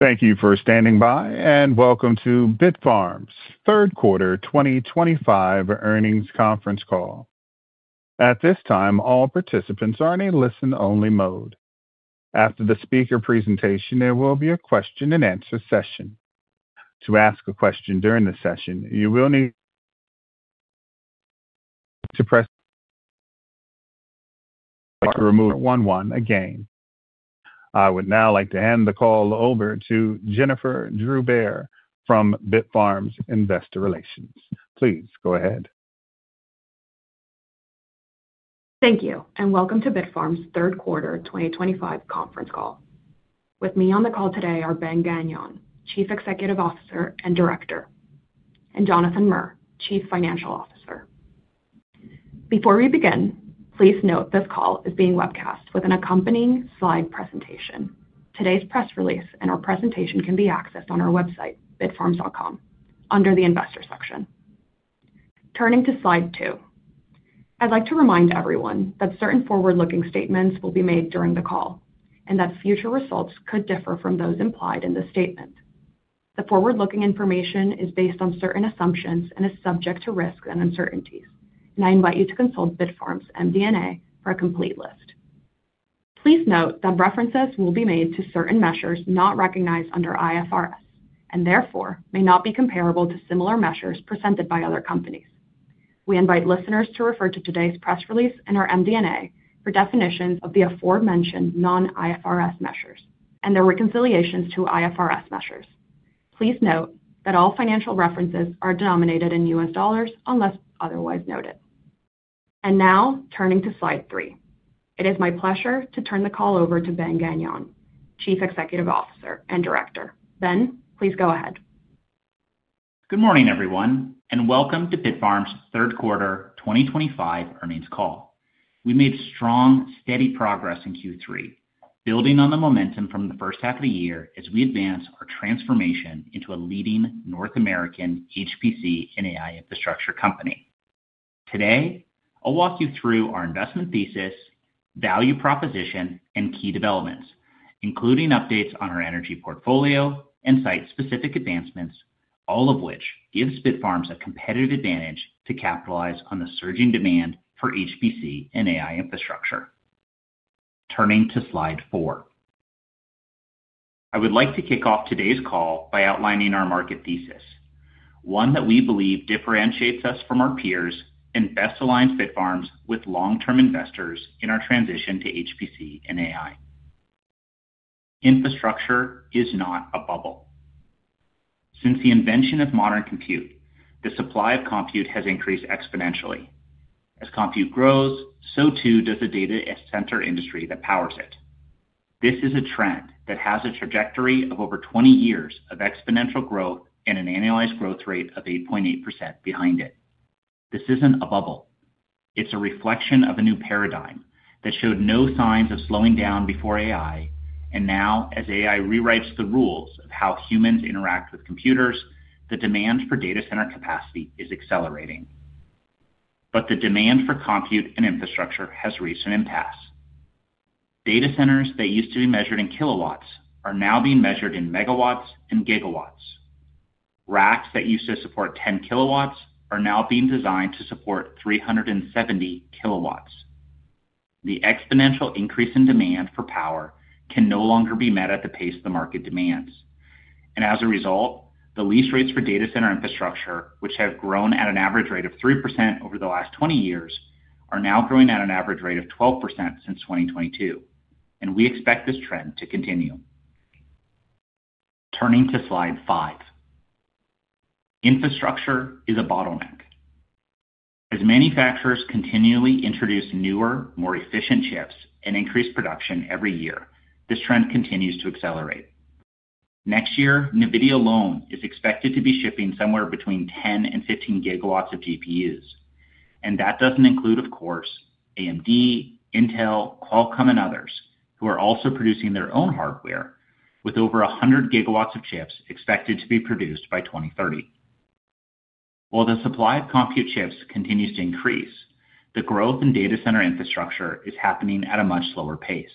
Thank you for standing by, and welcome to Bitfarms' Third Quarter 2025 Earnings Conference Call. At this time, all participants are in a listen-only mode. After the speaker presentation, there will be a question-and-answer session. To ask a question during the session, you will need to press one one again. I would now like to hand the call over to Jennifer Droubert from Bitfarms Investor Relations. Please go ahead. Thank you, and welcome to Bitfarms' Third Quarter 2025 Conference Call. With me on the call today are Ben Gagnon, Chief Executive Officer and Director, and Jonathan Mir, Chief Financial Officer. Before we begin, please note this call is being webcast with an accompanying slide presentation. Today's press release and our presentation can be accessed on our website, bitfarms.com, under the Investor section. Turning to slide two, I'd like to remind everyone that certain forward-looking statements will be made during the call and that future results could differ from those implied in the statement. The forward-looking information is based on certain assumptions and is subject to risks and uncertainties, and I invite you to consult Bitfarms' MD&A for a complete list. Please note that references will be made to certain measures not recognized under IFRS and therefore may not be comparable to similar measures presented by other companies. We invite listeners to refer to today's press release and our MD&A for definitions of the aforementioned non-IFRS measures and their reconciliations to IFRS measures. Please note that all financial references are denominated in U.S. dollars unless otherwise noted. Now, turning to slide three, it is my pleasure to turn the call over to Ben Gagnon, Chief Executive Officer and Director. Ben, please go ahead. Good morning, everyone, and welcome to Bitfarms' Third Quarter 2025 Earnings Call. We made strong, steady progress in Q3, building on the momentum from the first half of the year as we advance our transformation into a leading North American HPC and AI infrastructure company. Today, I'll walk you through our investment thesis, value proposition, and key developments, including updates on our energy portfolio and site-specific advancements, all of which gives Bitfarms a competitive advantage to capitalize on the surging demand for HPC and AI infrastructure. Turning to slide four, I would like to kick off today's call by outlining our market thesis, one that we believe differentiates us from our peers and best aligns Bitfarms with long-term investors in our transition to HPC and AI. Infrastructure is not a bubble. Since the invention of modern compute, the supply of compute has increased exponentially. As compute grows, so too does the data center industry that powers it. This is a trend that has a trajectory of over 20 years of exponential growth and an annualized growth rate of 8.8% behind it. This isn't a bubble. It's a reflection of a new paradigm that showed no signs of slowing down before AI, and now, as AI rewrites the rules of how humans interact with computers, the demand for data center capacity is accelerating. The demand for compute and infrastructure has reached an impasse. Data centers that used to be measured in kilowatts are now being measured in megawatts and gigawatts. Racks that used to support 10 kW are now being designed to support 370 kW. The exponential increase in demand for power can no longer be met at the pace the market demands. As a result, the lease rates for data center infrastructure, which have grown at an average rate of 3% over the last 20 years, are now growing at an average rate of 12% since 2022, and we expect this trend to continue. Turning to slide five, infrastructure is a bottleneck. As manufacturers continually introduce newer, more efficient chips and increase production every year, this trend continues to accelerate. Next year, NVIDIA alone is expected to be shipping somewhere between 10 and 15 GW of GPUs, and that does not include, of course, AMD, Intel, Qualcomm, and others, who are also producing their own hardware, with over 100 GW of chips expected to be produced by 2030. While the supply of compute chips continues to increase, the growth in data center infrastructure is happening at a much slower pace.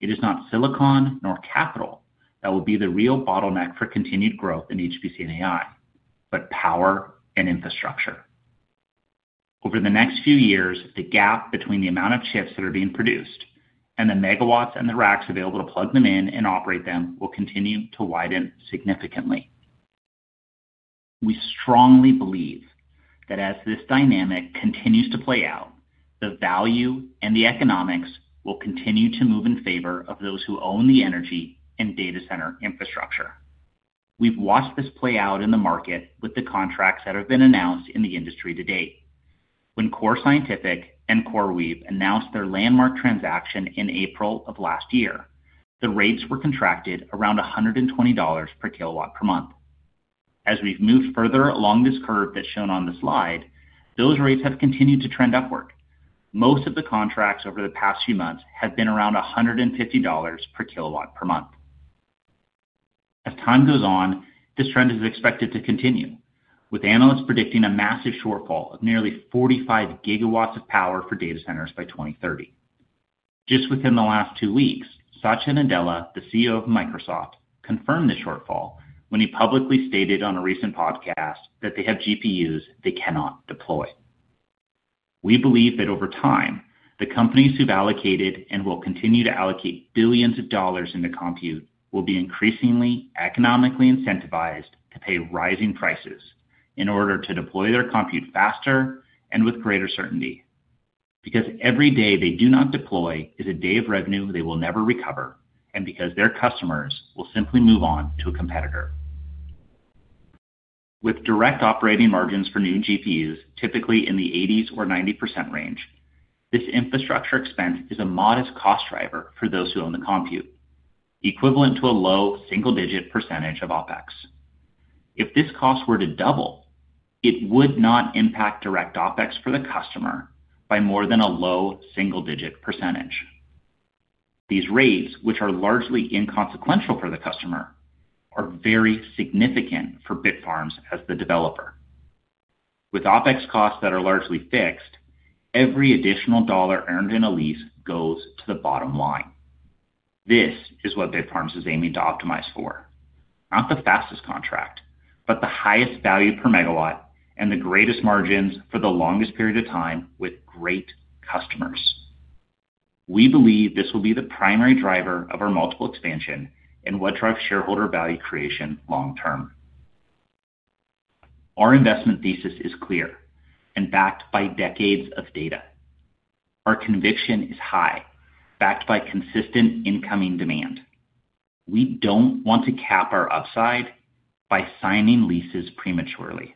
It is not silicon nor capital that will be the real bottleneck for continued growth in HPC and AI, but power and infrastructure. Over the next few years, the gap between the amount of chips that are being produced and the megawatts and the racks available to plug them in and operate them will continue to widen significantly. We strongly believe that as this dynamic continues to play out, the value and the economics will continue to move in favor of those who own the energy and data center infrastructure. We have watched this play out in the market with the contracts that have been announced in the industry to date. When Core Scientific and CoreWeave announced their landmark transaction in April of last year, the rates were contracted around $120 per kW per month. As we've moved further along this curve that's shown on the slide, those rates have continued to trend upward. Most of the contracts over the past few months have been around $150 per kW per month. As time goes on, this trend is expected to continue, with analysts predicting a massive shortfall of nearly 45 GW of power for data centers by 2030. Just within the last two weeks, Satya Nadella, the CEO of Microsoft, confirmed the shortfall when he publicly stated on a recent podcast that they have GPUs they cannot deploy. We believe that over time, the companies who've allocated and will continue to allocate billions of dollars into compute will be increasingly economically incentivized to pay rising prices in order to deploy their compute faster and with greater certainty, because every day they do not deploy is a day of revenue they will never recover, and because their customers will simply move on to a competitor. With direct operating margins for new GPUs typically in the 80%-90% range, this infrastructure expense is a modest cost driver for those who own the compute, equivalent to a low single-digit percentage of OpEx. If this cost were to double, it would not impact direct OpEx for the customer by more than a low single-digit percentage. These rates, which are largely inconsequential for the customer, are very significant for Bitfarms as the developer. With OpEx costs that are largely fixed, every additional dollar earned in a lease goes to the bottom line. This is what Bitfarms is aiming to optimize for: not the fastest contract, but the highest value per megawatt and the greatest margins for the longest period of time with great customers. We believe this will be the primary driver of our multiple expansion and would drive shareholder value creation long term. Our investment thesis is clear and backed by decades of data. Our conviction is high, backed by consistent incoming demand. We do not want to cap our upside by signing leases prematurely.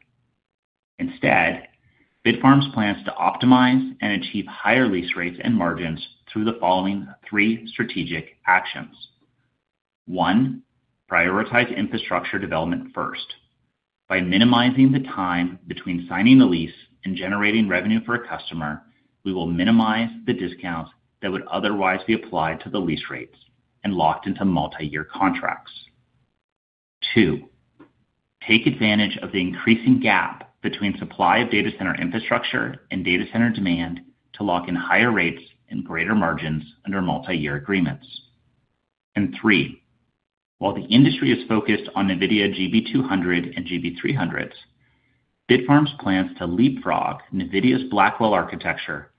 Instead, Bitfarms plans to optimize and achieve higher lease rates and margins through the following three strategic actions. One, prioritize infrastructure development first. By minimizing the time between signing the lease and generating revenue for a customer, we will minimize the discounts that would otherwise be applied to the lease rates and locked into multi-year contracts. Two, take advantage of the increasing gap between supply of data center infrastructure and data center demand to lock in higher rates and greater margins under multi-year agreements. Three, while the industry is focused on NVIDIA GB200 and GB300s, Bitfarms plans to leapfrog NVIDIA's Blackwell architecture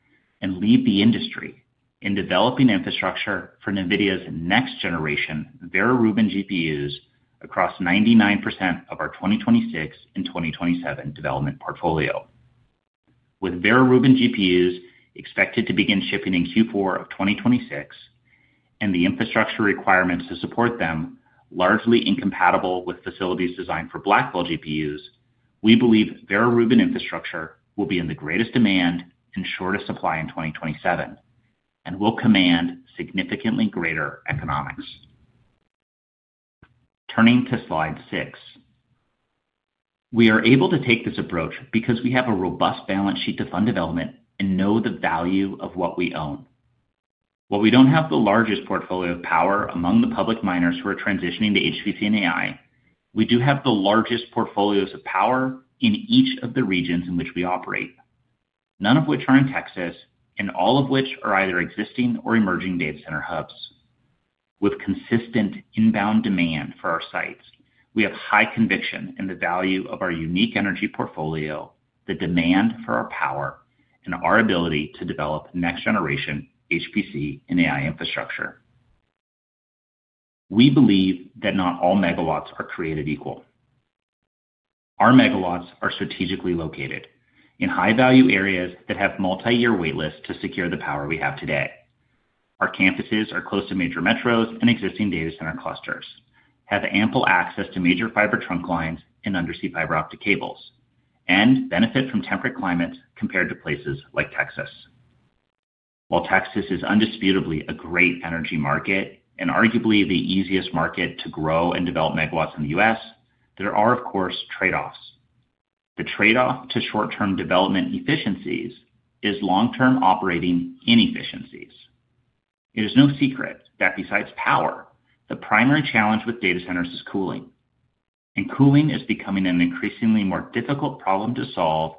and lead the industry in developing infrastructure for NVIDIA's next-generation Vera Rubin GPUs across 99% of our 2026 and 2027 development portfolio. With Vera Rubin GPUs expected to begin shipping in Q4 of 2026 and the infrastructure requirements to support them largely incompatible with facilities designed for Blackwell GPUs, we believe Vera Rubin infrastructure will be in the greatest demand and shortest supply in 2027 and will command significantly greater economics. Turning to slide six, we are able to take this approach because we have a robust balance sheet to fund development and know the value of what we own. While we do not have the largest portfolio of power among the public miners who are transitioning to HPC and AI, we do have the largest portfolios of power in each of the regions in which we operate, none of which are in Texas and all of which are either existing or emerging data center hubs. With consistent inbound demand for our sites, we have high conviction in the value of our unique energy portfolio, the demand for our power, and our ability to develop next-generation HPC and AI infrastructure. We believe that not all megawatts are created equal. Our megawatts are strategically located in high-value areas that have multi-year waitlists to secure the power we have today. Our campuses are close to major metros and existing data center clusters, have ample access to major fiber trunk lines and undersea fiber optic cables, and benefit from temperate climates compared to places like Texas. While Texas is undisputably a great energy market and arguably the easiest market to grow and develop megawatts in the U.S., there are, of course, trade-offs. The trade-off to short-term development efficiencies is long-term operating inefficiencies. It is no secret that besides power, the primary challenge with data centers is cooling, and cooling is becoming an increasingly more difficult problem to solve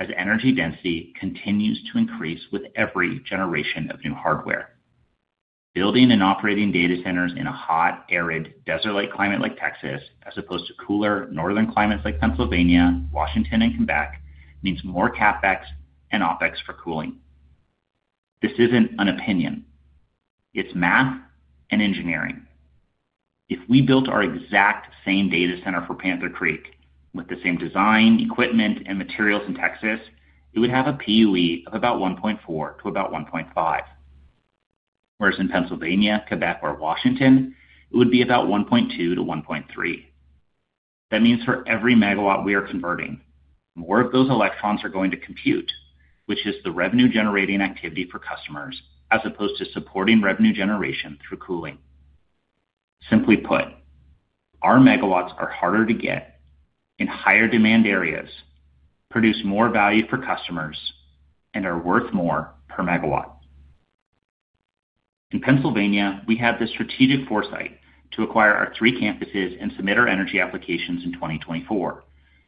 as energy density continues to increase with every generation of new hardware. Building and operating data centers in a hot, arid, desert-like climate like Texas, as opposed to cooler northern climates like Pennsylvania, Washington, and Quebec, means more CapEx and OpEx for cooling. This isn't an opinion. It's math and engineering. If we built our exact same data center for Panther Creek with the same design, equipment, and materials in Texas, it would have a PUE of about 1.4 to 1.5. Whereas in Pennsylvania, Quebec, or Washington, it would be about 1.2 to 1.3. That means for every megawatt we are converting, more of those electrons are going to compute, which is the revenue-generating activity for customers, as opposed to supporting revenue generation through cooling. Simply put, our megawatts are harder to get in higher demand areas, produce more value for customers, and are worth more per megawatt. In Pennsylvania, we had the strategic foresight to acquire our three campuses and submit our energy applications in 2024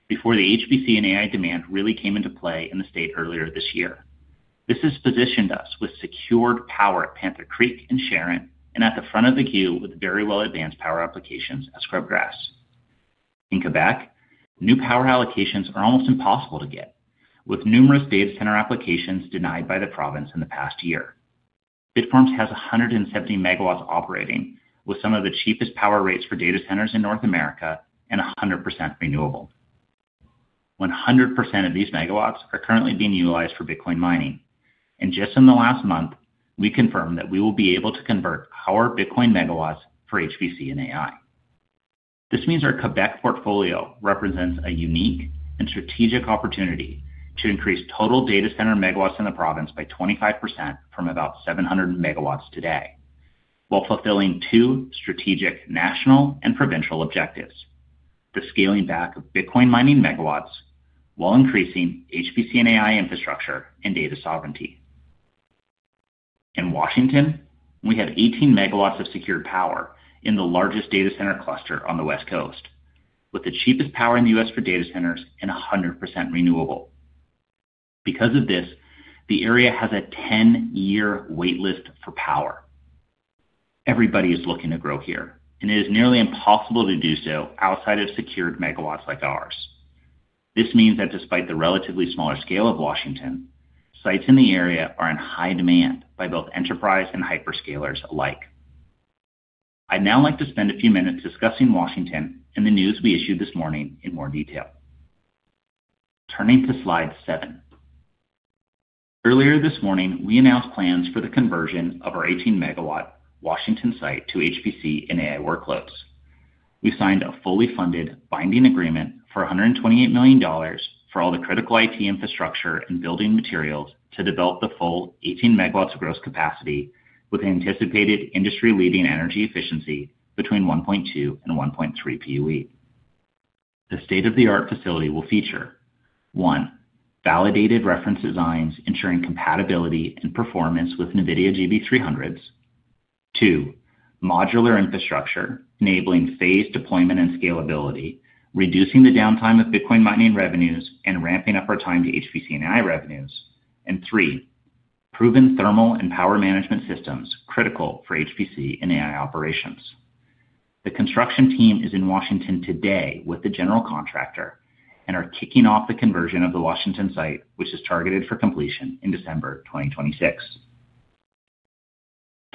before the HPC and AI demand really came into play in the state earlier this year. This has positioned us with secured power at Panther Creek and Sharon and at the front of the queue with very well-advanced power applications at Scrubgrass. In Quebec, new power allocations are almost impossible to get, with numerous data center applications denied by the province in the past year. Bitfarms has 170 MW operating, with some of the cheapest power rates for data centers in North America and 100% renewable. 100% of these megawatts are currently being utilized for Bitcoin mining, and just in the last month, we confirmed that we will be able to convert our Bitcoin megawatts for HPC and AI. This means our Quebec portfolio represents a unique and strategic opportunity to increase total data center megawatts in the province by 25% from about 700 MW today, while fulfilling two strategic national and provincial objectives: the scaling back of Bitcoin mining megawatts while increasing HPC and AI infrastructure and data sovereignty. In Washington, we have 18 MW of secured power in the largest data center cluster on the West Coast, with the cheapest power in the U.S. for data centers and 100% renewable. Because of this, the area has a 10-year waitlist for power. Everybody is looking to grow here, and it is nearly impossible to do so outside of secured megawatts like ours. This means that despite the relatively smaller scale of Washington, sites in the area are in high demand by both enterprise and hyperscalers alike. I'd now like to spend a few minutes discussing Washington and the news we issued this morning in more detail. Turning to slide seven, earlier this morning, we announced plans for the conversion of our 18 MW Washington site to HPC and AI workloads. We signed a fully funded binding agreement for $128 million for all the critical IT infrastructure and building materials to develop the full 18 MW of gross capacity with anticipated industry-leading energy efficiency between 1.2 and 1.3 PUE. The state-of-the-art facility will feature: one, validated reference designs ensuring compatibility and performance with NVIDIA GB300s; two, modular infrastructure enabling phased deployment and scalability, reducing the downtime of Bitcoin mining revenues and ramping up our time to HPC and AI revenues; and three, proven thermal and power management systems critical for HPC and AI operations. The construction team is in Washington today with the general contractor and are kicking off the conversion of the Washington site, which is targeted for completion in December 2026.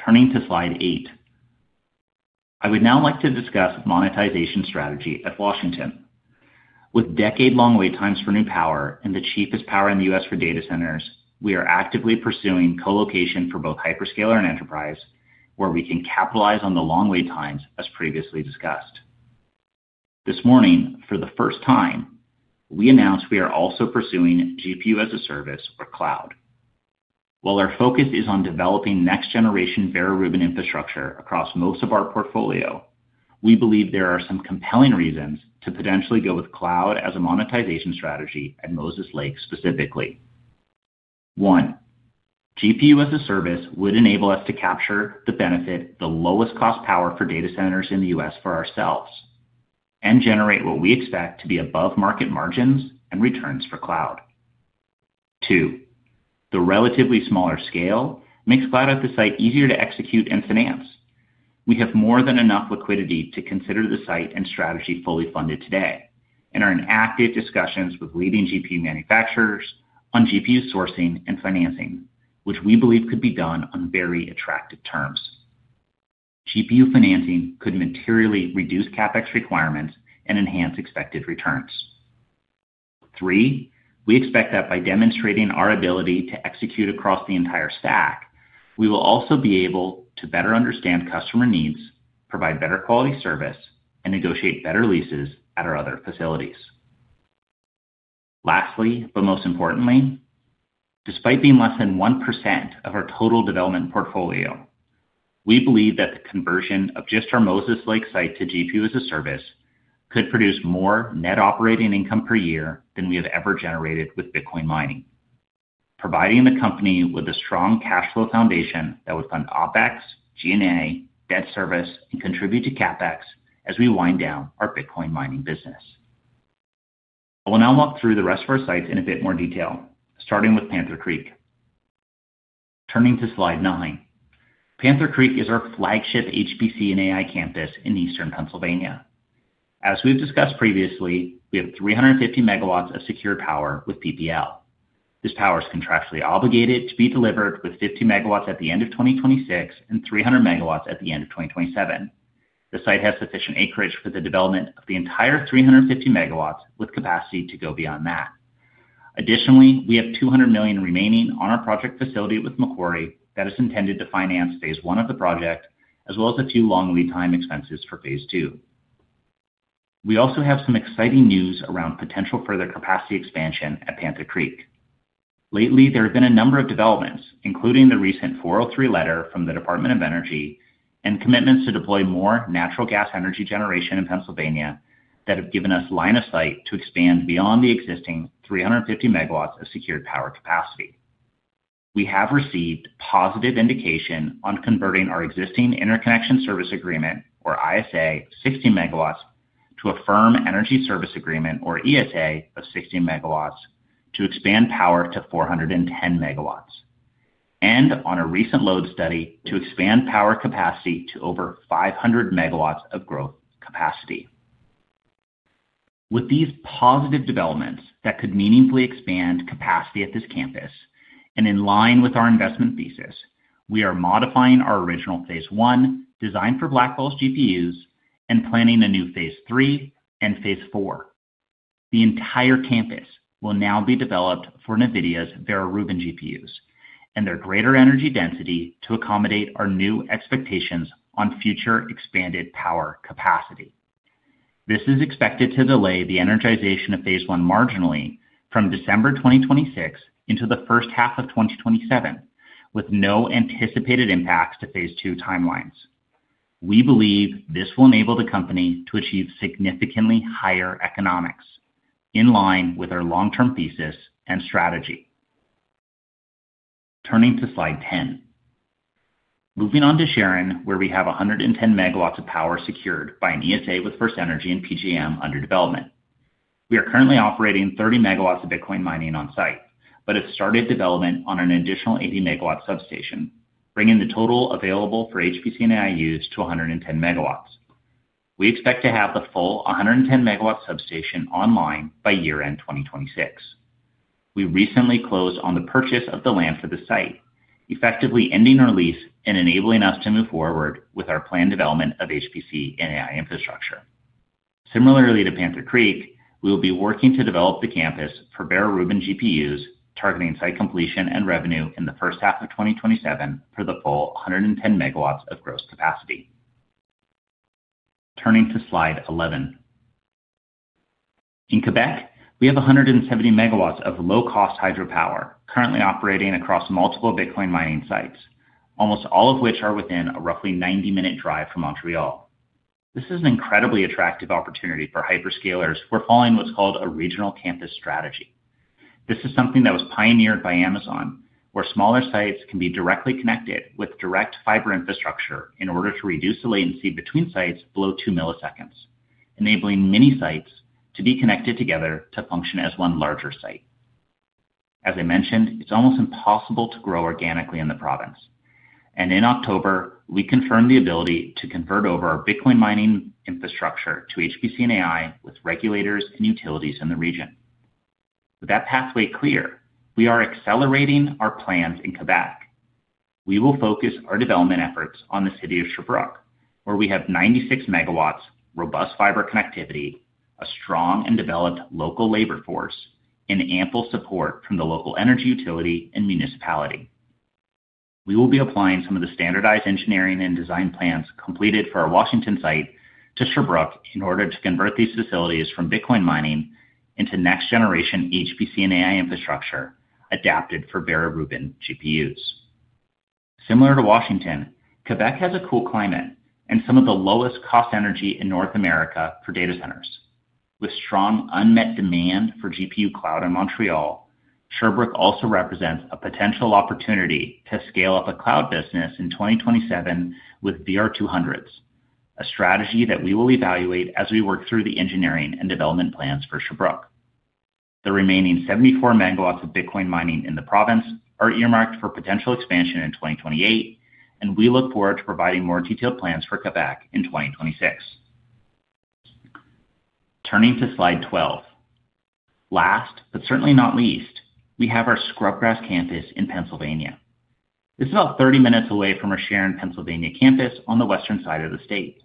Turning to slide eight, I would now like to discuss monetization strategy at Washington. With decade-long wait times for new power and the cheapest power in the U.S. for data centers, we are actively pursuing colocation for both hyperscaler and enterprise, where we can capitalize on the long wait times, as previously discussed. This morning, for the first time, we announced we are also pursuing GPU as a service or cloud. While our focus is on developing next-generation Vera Rubin infrastructure across most of our portfolio, we believe there are some compelling reasons to potentially go with cloud as a monetization strategy at Moses Lake specifically. One, GPU as a service would enable us to capture the benefit, the lowest-cost power for data centers in the U.S. for ourselves, and generate what we expect to be above-market margins and returns for cloud. Two, the relatively smaller scale makes cloud at the site easier to execute and finance. We have more than enough liquidity to consider the site and strategy fully funded today and are in active discussions with leading GPU manufacturers on GPU sourcing and financing, which we believe could be done on very attractive terms. GPU financing could materially reduce CapEx requirements and enhance expected returns. Three, we expect that by demonstrating our ability to execute across the entire stack, we will also be able to better understand customer needs, provide better quality service, and negotiate better leases at our other facilities. Lastly, but most importantly, despite being less than 1% of our total development portfolio, we believe that the conversion of just our Moses Lake site to GPU as a service could produce more net operating income per year than we have ever generated with Bitcoin mining, providing the company with a strong cash flow foundation that would fund OpEx, G&A, debt service, and contribute to CapEx as we wind down our Bitcoin mining business. I will now walk through the rest of our sites in a bit more detail, starting with Panther Creek. Turning to slide nine, Panther Creek is our flagship HPC and AI campus in eastern Pennsylvania. As we've discussed previously, we have 350 MW of secured power with PPL. This power is contractually obligated to be delivered with 50 MW at the end of 2026 and 300 MW at the end of 2027. The site has sufficient acreage for the development of the entire 350 MW with capacity to go beyond that. Additionally, we have $200 million remaining on our project facility with Macquarie that is intended to finance phase I of the project, as well as a few long lead-time expenses for phase II. We also have some exciting news around potential further capacity expansion at Panther Creek. Lately, there have been a number of developments, including the recent 403 letter from the Department of Energy and commitments to deploy more natural gas energy generation in Pennsylvania that have given us line of sight to expand beyond the existing 350 MW of secured power capacity. We have received positive indication on converting our existing interconnection service agreement, or ISA, 60 MW to a firm energy service agreement, or ESA, of 60 MW to expand power to 410 MW, and on a recent load study to expand power capacity to over 500 MW of growth capacity. With these positive developments that could meaningfully expand capacity at this campus and in line with our investment thesis, we are modifying our original phase I design for Blackwell's GPUs and planning a new phase III and phase IV. The entire campus will now be developed for NVIDIA's Vera Rubin GPUs and their greater energy density to accommodate our new expectations on future expanded power capacity. This is expected to delay the energization of phase I marginally from December 2026 into the first half of 2027, with no anticipated impacts to phase II timelines. We believe this will enable the company to achieve significantly higher economics in line with our long-term thesis and strategy. Turning to slide 10, moving on to Sharon, where we have 110 MW of power secured by an ESA with FirstEnergy and PPL under development. We are currently operating 30 MW of Bitcoin mining on site, but have started development on an additional 80 MW substation, bringing the total available for HPC and AI use to 110 MW. We expect to have the full 110 MW substation online by year-end 2026. We recently closed on the purchase of the land for the site, effectively ending our lease and enabling us to move forward with our planned development of HPC and AI infrastructure. Similarly to Panther Creek, we will be working to develop the campus for Vera Rubin GPUs, targeting site completion and revenue in the first half of 2027 for the full 110 MW of gross capacity. Turning to slide 11, in Quebec, we have 170 MW of low-cost hydropower currently operating across multiple Bitcoin mining sites, almost all of which are within a roughly 90-minute drive from Montreal. This is an incredibly attractive opportunity for hyperscalers who are following what's called a regional campus strategy. This is something that was pioneered by Amazon, where smaller sites can be directly connected with direct fiber infrastructure in order to reduce the latency between sites below 2 milliseconds, enabling many sites to be connected together to function as one larger site. As I mentioned, it's almost impossible to grow organically in the province, and in October, we confirmed the ability to convert over our Bitcoin mining infrastructure to HPC and AI with regulators and utilities in the region. With that pathway clear, we are accelerating our plans in Quebec. We will focus our development efforts on the city of Sherbrooke, where we have 96 MW of robust fiber connectivity, a strong and developed local labor force, and ample support from the local energy utility and municipality. We will be applying some of the standardized engineering and design plans completed for our Washington site to Sherbrooke in order to convert these facilities from Bitcoin mining into next-generation HPC and AI infrastructure adapted for Vera Rubin GPUs. Similar to Washington, Quebec has a cool climate and some of the lowest-cost energy in North America for data centers. With strong unmet demand for GPU cloud in Montreal, Sherbrooke also represents a potential opportunity to scale up a cloud business in 2027 with VR200s, a strategy that we will evaluate as we work through the engineering and development plans for Sherbrooke. The remaining 74 MW of Bitcoin mining in the province are earmarked for potential expansion in 2028, and we look forward to providing more detailed plans for Quebec in 2026. Turning to slide 12, last but certainly not least, we have our Scrubgrass campus in Pennsylvania. This is about 30 minutes away from our Sharon, Pennsylvania campus on the western side of the state.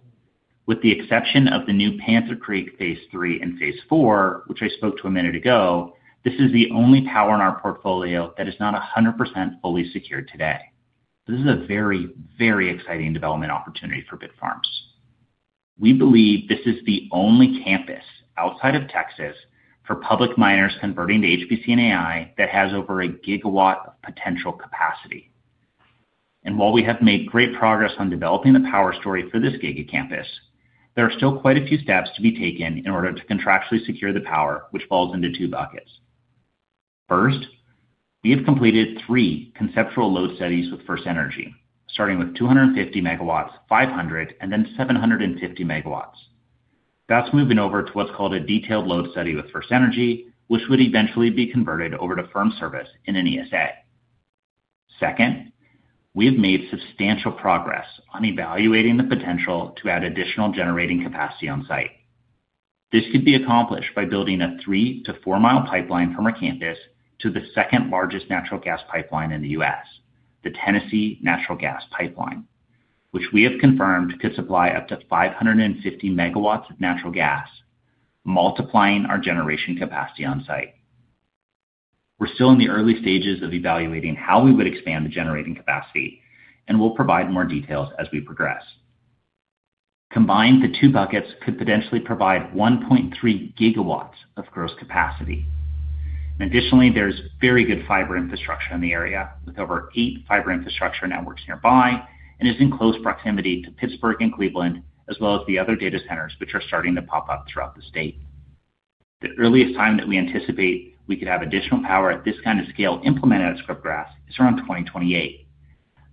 With the exception of the new Panther Creek phase III and phase IV, which I spoke to a minute ago, this is the only power in our portfolio that is not 100% fully secured today. This is a very, very exciting development opportunity for Bitfarms. We believe this is the only campus outside of Texas for public miners converting to HPC and AI that has over a gigawatt of potential capacity. While we have made great progress on developing the power story for this gigacampus, there are still quite a few steps to be taken in order to contractually secure the power, which falls into two buckets. First, we have completed three conceptual load studies with FirstEnergy, starting with 250 MW, 500, and then 750 MW. That's moving over to what's called a detailed load study with FirstEnergy, which would eventually be converted over to firm service in an ESA. Second, we have made substantial progress on evaluating the potential to add additional generating capacity on site. This could be accomplished by building a three to four-mile pipeline from our campus to the second-largest natural gas pipeline in the U.S., the Tennessee Natural Gas Pipeline, which we have confirmed could supply up to 550 MW of natural gas, multiplying our generation capacity on site. We're still in the early stages of evaluating how we would expand the generating capacity, and we'll provide more details as we progress. Combined, the two buckets could potentially provide 1.3 GW of gross capacity. Additionally, there is very good fiber infrastructure in the area, with over eight fiber infrastructure networks nearby, and it is in close proximity to Pittsburgh and Cleveland, as well as the other data centers which are starting to pop up throughout the state. The earliest time that we anticipate we could have additional power at this kind of scale implemented at Scrubgrass is around 2028.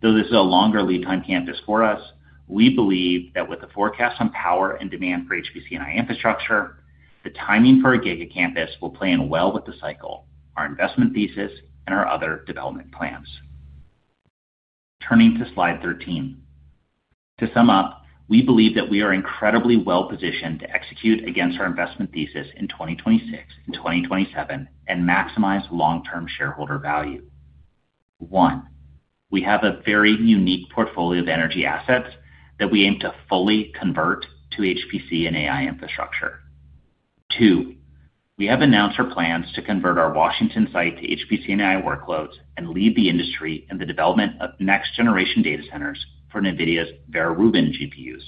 Though this is a longer lead-time campus for us, we believe that with the forecast on power and demand for HPC and AI infrastructure, the timing for a gigacampus will play in well with the cycle, our investment thesis, and our other development plans. Turning to slide 13, to sum up, we believe that we are incredibly well-positioned to execute against our investment thesis in 2026 and 2027 and maximize long-term shareholder value. One, we have a very unique portfolio of energy assets that we aim to fully convert to HPC and AI infrastructure. Two, we have announced our plans to convert our Washington site to HPC and AI workloads and lead the industry in the development of next-generation data centers for NVIDIA's Vera Rubin GPUs.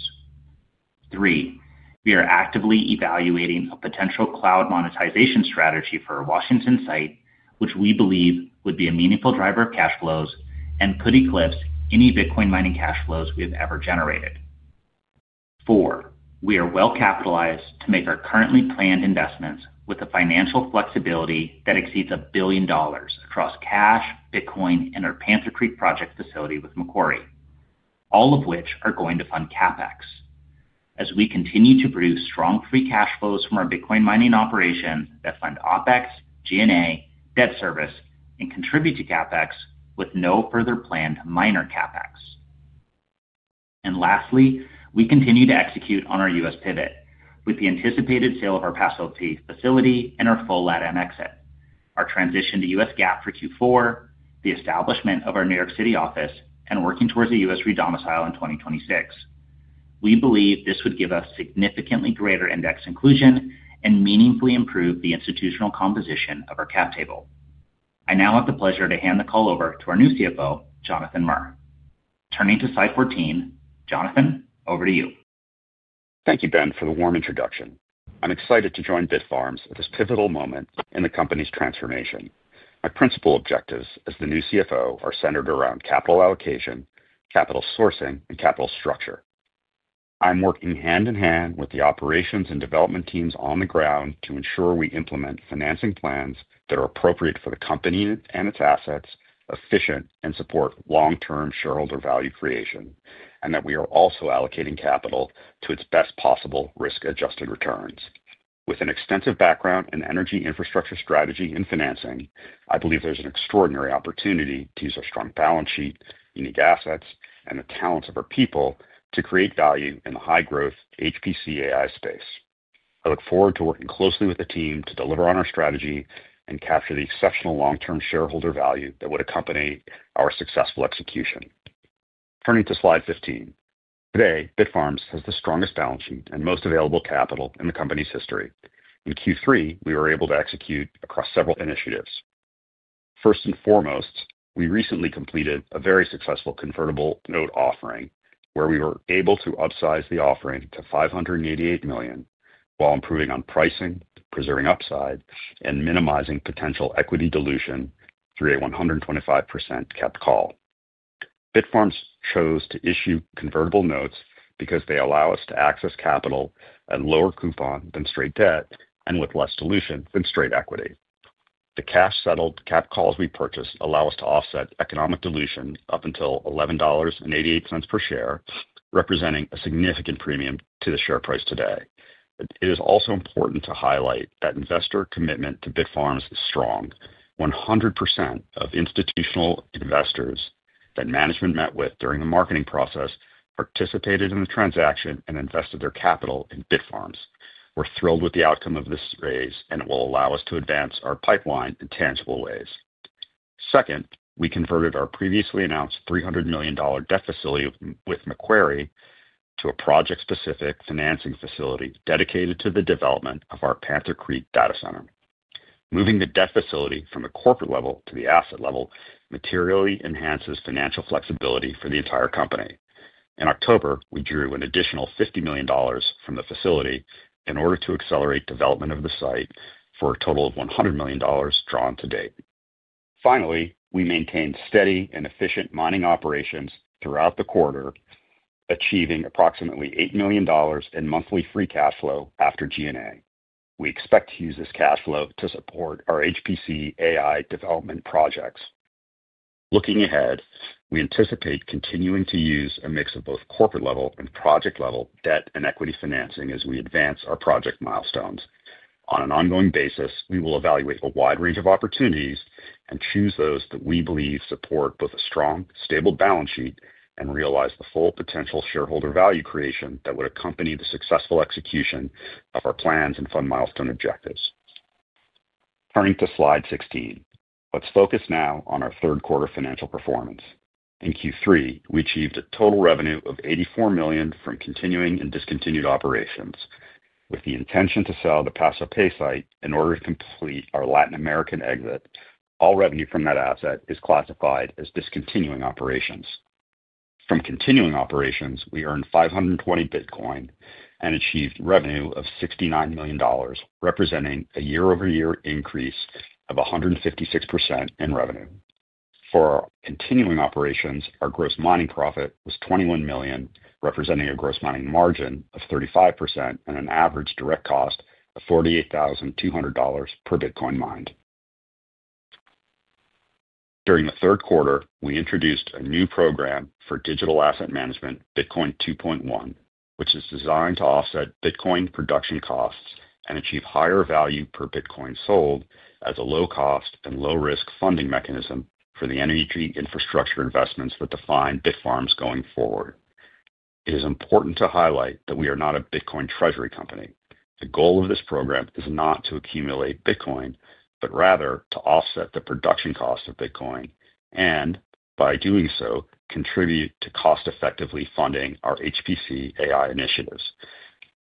Three, we are actively evaluating a potential cloud monetization strategy for our Washington site, which we believe would be a meaningful driver of cash flows and could eclipse any Bitcoin mining cash flows we have ever generated. Four, we are well-capitalized to make our currently planned investments with a financial flexibility that exceeds $1 billion across cash, Bitcoin, and our Panther Creek project facility with Macquarie, all of which are going to fund CapEx. As we continue to produce strong free cash flows from our Bitcoin mining operation that fund OpEx, G&A, debt service, and contribute to CapEx with no further planned minor CapEx. Lastly, we continue to execute on our U.S. pivot with the anticipated sale of our Paso Pe facility and our full LATAM exit, our transition to U.S. GAAP for Q4, the establishment of our New York City office, and working towards a U.S. redomicile in 2026. We believe this would give us significantly greater index inclusion and meaningfully improve the institutional composition of our cap table. I now have the pleasure to hand the call over to our new CFO, Jonathan Mir. Turning to slide 14, Jonathan, over to you. Thank you, Ben, for the warm introduction. I'm excited to join Bitfarms at this pivotal moment in the company's transformation. My principal objectives as the new CFO are centered around capital allocation, capital sourcing, and capital structure. I'm working hand in hand with the operations and development teams on the ground to ensure we implement financing plans that are appropriate for the company and its assets, efficient and support long-term shareholder value creation, and that we are also allocating capital to its best possible risk-adjusted returns. With an extensive background in energy infrastructure strategy and financing, I believe there's an extraordinary opportunity to use our strong balance sheet, unique assets, and the talents of our people to create value in the high-growth HPC AI space. I look forward to working closely with the team to deliver on our strategy and capture the exceptional long-term shareholder value that would accompany our successful execution. Turning to slide 15, today, Bitfarms has the strongest balance sheet and most available capital in the company's history. In Q3, we were able to execute across several initiatives. First and foremost, we recently completed a very successful convertible note offering where we were able to upsize the offering to $588 million while improving on pricing, preserving upside, and minimizing potential equity dilution through a 125% capped call. Bitfarms chose to issue convertible notes because they allow us to access capital at a lower coupon than straight debt and with less dilution than straight equity. The cash-settled capped calls we purchased allow us to offset economic dilution up until $11.88 per share, representing a significant premium to the share price today. It is also important to highlight that investor commitment to Bitfarms is strong. 100% of institutional investors that management met with during the marketing process participated in the transaction and invested their capital in Bitfarms. We're thrilled with the outcome of this raise, and it will allow us to advance our pipeline in tangible ways. Second, we converted our previously announced $300 million debt facility with Macquarie to a project-specific financing facility dedicated to the development of our Panther Creek data center. Moving the debt facility from the corporate level to the asset level materially enhances financial flexibility for the entire company. In October, we drew an additional $50 million from the facility in order to accelerate development of the site for a total of $100 million drawn to date. Finally, we maintained steady and efficient mining operations throughout the quarter, achieving approximately $8 million in monthly free cash flow after G&A. We expect to use this cash flow to support our HPC AI development projects. Looking ahead, we anticipate continuing to use a mix of both corporate-level and project-level debt and equity financing as we advance our project milestones. On an ongoing basis, we will evaluate a wide range of opportunities and choose those that we believe support both a strong, stable balance sheet and realize the full potential shareholder value creation that would accompany the successful execution of our plans and fund milestone objectives. Turning to slide 16, let's focus now on our third-quarter financial performance. In Q3, we achieved a total revenue of $84 million from continuing and discontinued operations. With the intention to sell the Paso Pe site in order to complete our Latin American exit, all revenue from that asset is classified as discontinued operations. From continuing operations, we earned 520 Bitcoin and achieved revenue of $69 million, representing a year-over-year increase of 156% in revenue. For continuing operations, our gross mining profit was $21 million, representing a gross mining margin of 35% and an average direct cost of $48,200 per Bitcoin mined. During the third quarter, we introduced a new program for digital asset management, Bitcoin 2.1, which is designed to offset Bitcoin production costs and achieve higher value per Bitcoin sold as a low-cost and low-risk funding mechanism for the energy infrastructure investments that define Bitfarms going forward. It is important to highlight that we are not a Bitcoin treasury company. The goal of this program is not to accumulate Bitcoin, but rather to offset the production cost of Bitcoin and, by doing so, contribute to cost-effectively funding our HPC AI initiatives.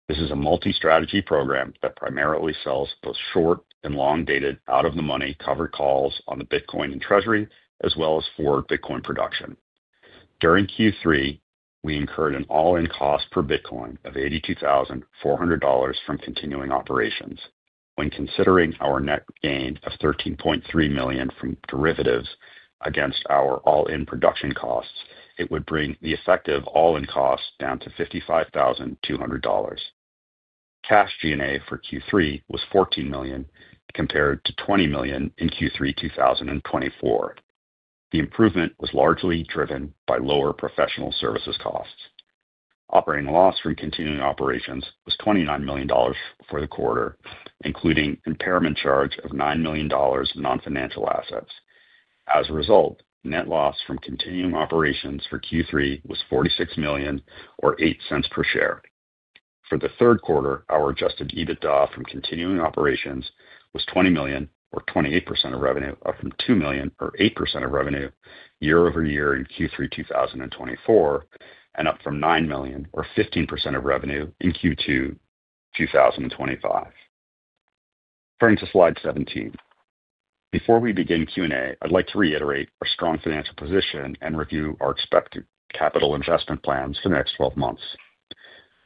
This is a multi-strategy program that primarily sells both short and long-dated out-of-the-money covered calls on the Bitcoin and treasury, as well as for Bitcoin production. During Q3, we incurred an all-in cost per Bitcoin of $82,400 from continuing operations. When considering our net gain of $13.3 million from derivatives against our all-in production costs, it would bring the effective all-in cost down to $55,200. Cash G&A for Q3 was $14 million, compared to $20 million in Q3 2024. The improvement was largely driven by lower professional services costs. Operating loss from continuing operations was $29 million for the quarter, including impairment charge of $9 million in non-financial assets. As a result, net loss from continuing operations for Q3 was $46 million, or $0.08 per share. For the third quarter, our adjusted EBITDA from continuing operations was $20 million, or 28% of revenue, up from $2 million, or 8% of revenue year-over-year in Q3 2024, and up from $9 million, or 15% of revenue in Q2 2025. Turning to slide 17, before we begin Q&A, I'd like to reiterate our strong financial position and review our expected capital investment plans for the next 12 months.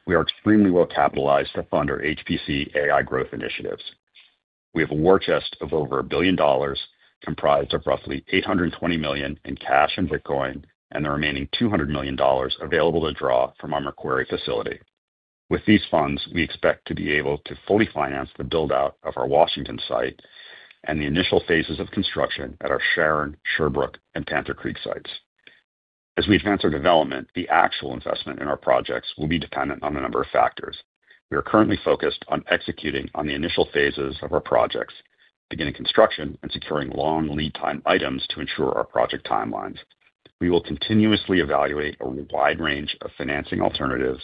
We are extremely well-capitalized to fund our HPC AI growth initiatives. We have a war chest of over $1 billion comprised of roughly $820 million in cash and Bitcoin, and the remaining $200 million available to draw from our Macquarie facility. With these funds, we expect to be able to fully finance the build-out of our Washington site and the initial phases of construction at our Sharon, Sherbrooke, and Panther Creek sites. As we advance our development, the actual investment in our projects will be dependent on a number of factors. We are currently focused on executing on the initial phases of our projects, beginning construction and securing long lead-time items to ensure our project timelines. We will continuously evaluate a wide range of financing alternatives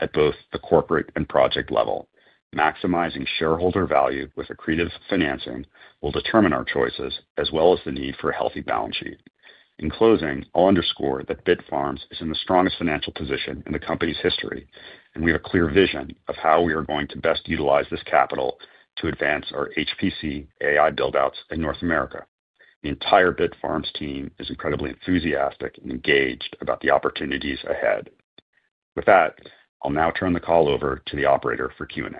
at both the corporate and project level. Maximizing shareholder value with accretive financing will determine our choices, as well as the need for a healthy balance sheet. In closing, I'll underscore that Bitfarms is in the strongest financial position in the company's history, and we have a clear vision of how we are going to best utilize this capital to advance our HPC AI build-outs in North America. The entire Bitfarms team is incredibly enthusiastic and engaged about the opportunities ahead. With that, I'll now turn the call over to the operator for Q&A.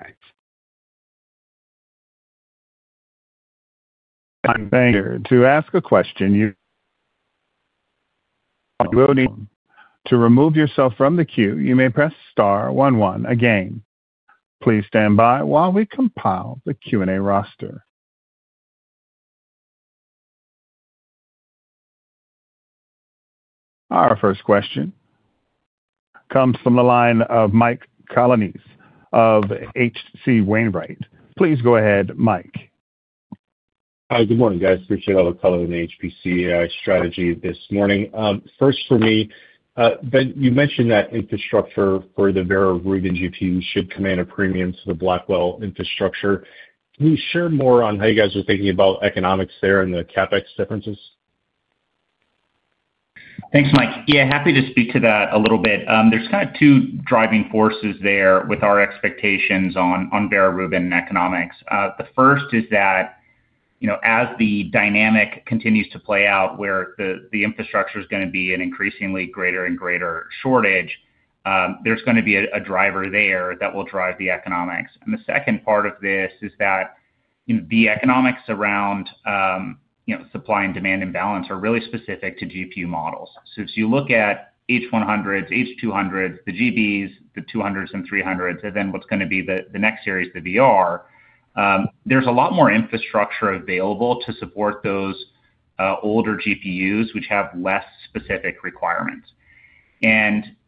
I'm Ben here. To ask a question, you will need to remove yourself from the queue. You may press star one one again. Please stand by while we compile the Q&A roster. Our first question comes from the line of Mike Colonies of H.C. Wainwright. Please go ahead, Mike. Hi, good morning, guys. Appreciate all the color in the HPC strategy this morning. First, for me, Ben, you mentioned that infrastructure for the Vera Rubin GPU should command a premium to the Blackwell infrastructure. Can you share more on how you guys are thinking about economics there and the CapEx differences? Thanks, Mike. Yeah, happy to speak to that a little bit. There's kind of two driving forces there with our expectations on Vera Rubin and economics. The first is that as the dynamic continues to play out where the infrastructure is going to be an increasingly greater and greater shortage, there's going to be a driver there that will drive the economics. The second part of this is that the economics around supply and demand imbalance are really specific to GPU models. If you look at H100s, H200s, the GB200s and GB300s, and then what's going to be the next series, the VR, there's a lot more infrastructure available to support those older GPUs, which have less specific requirements.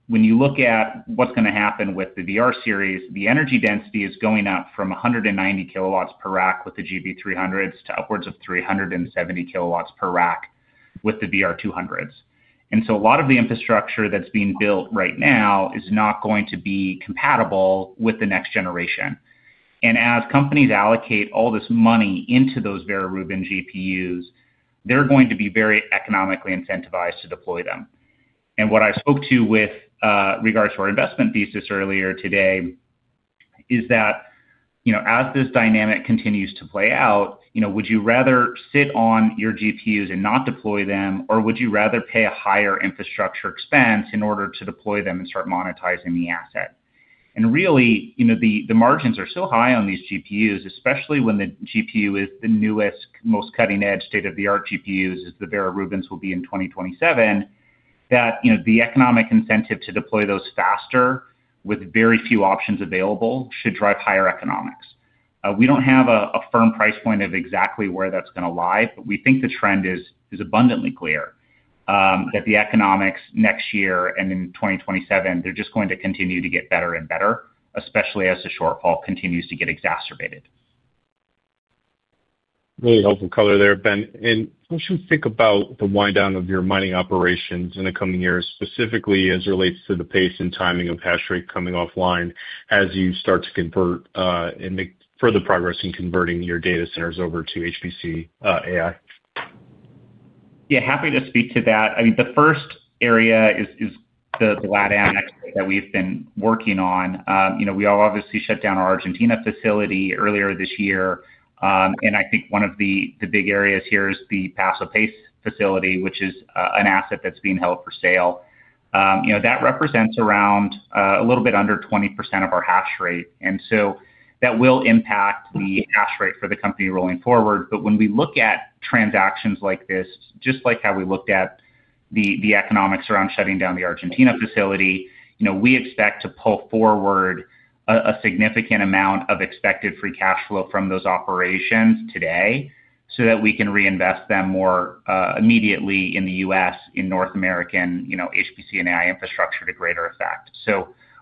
When you look at what's going to happen with the VR series, the energy density is going up from 190 kW per rack with the GB300s to upwards of 370 kW per rack with the VR200s. A lot of the infrastructure that's being built right now is not going to be compatible with the next generation. As companies allocate all this money into those Vera Rubin GPUs, they're going to be very economically incentivized to deploy them. What I spoke to with regards to our investment thesis earlier today is that as this dynamic continues to play out, would you rather sit on your GPUs and not deploy them, or would you rather pay a higher infrastructure expense in order to deploy them and start monetizing the asset? Really, the margins are so high on these GPUs, especially when the GPU is the newest, most cutting-edge, state-of-the-art GPUs, as the Vera Rubins will be in 2027, that the economic incentive to deploy those faster with very few options available should drive higher economics. We don't have a firm price point of exactly where that's going to lie, but we think the trend is abundantly clear that the economics next year and in 2027, they're just going to continue to get better and better, especially as the shortfall continues to get exacerbated. Really helpful color there, Ben. What do you think about the wind down of your mining operations in the coming years, specifically as it relates to the pace and timing of Hashira coming offline as you start to convert and make further progress in converting your data centers over to HPC AI? Yeah, happy to speak to that. I mean, the first area is the LATAM that we've been working on. We obviously shut down our Argentina facility earlier this year. I think one of the big areas here is the Paso Pe facility, which is an asset that's being held for sale. That represents a little bit under 20% of our hash rate. That will impact the hash rate for the company rolling forward. When we look at transactions like this, just like how we looked at the economics around shutting down the Argentina facility, we expect to pull forward a significant amount of expected free cash flow from those operations today so that we can reinvest them more immediately in the U.S., in North American HPC and AI infrastructure to greater effect.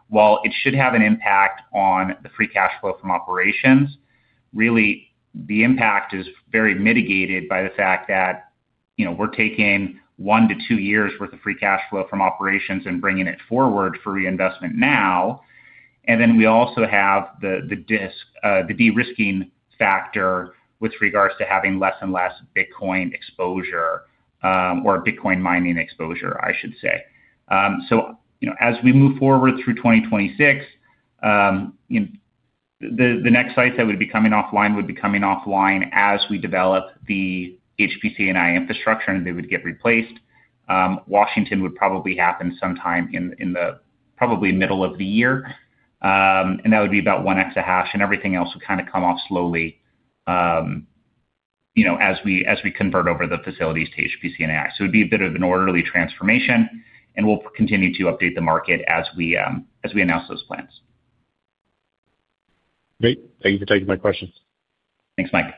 While it should have an impact on the free cash flow from operations, really the impact is very mitigated by the fact that we're taking one to two years' worth of free cash flow from operations and bringing it forward for reinvestment now. We also have the de-risking factor with regards to having less and less Bitcoin exposure or Bitcoin mining exposure, I should say. As we move forward through 2026, the next sites that would be coming offline would be coming offline as we develop the HPC and AI infrastructure, and they would get replaced. Washington would probably happen sometime in the probably middle of the year. That would be about one exahash, and everything else would kind of come off slowly as we convert over the facilities to HPC and AI. It would be a bit of an orderly transformation, and we'll continue to update the market as we announce those plans. Great. Thank you for taking my questions. Thanks, Mike.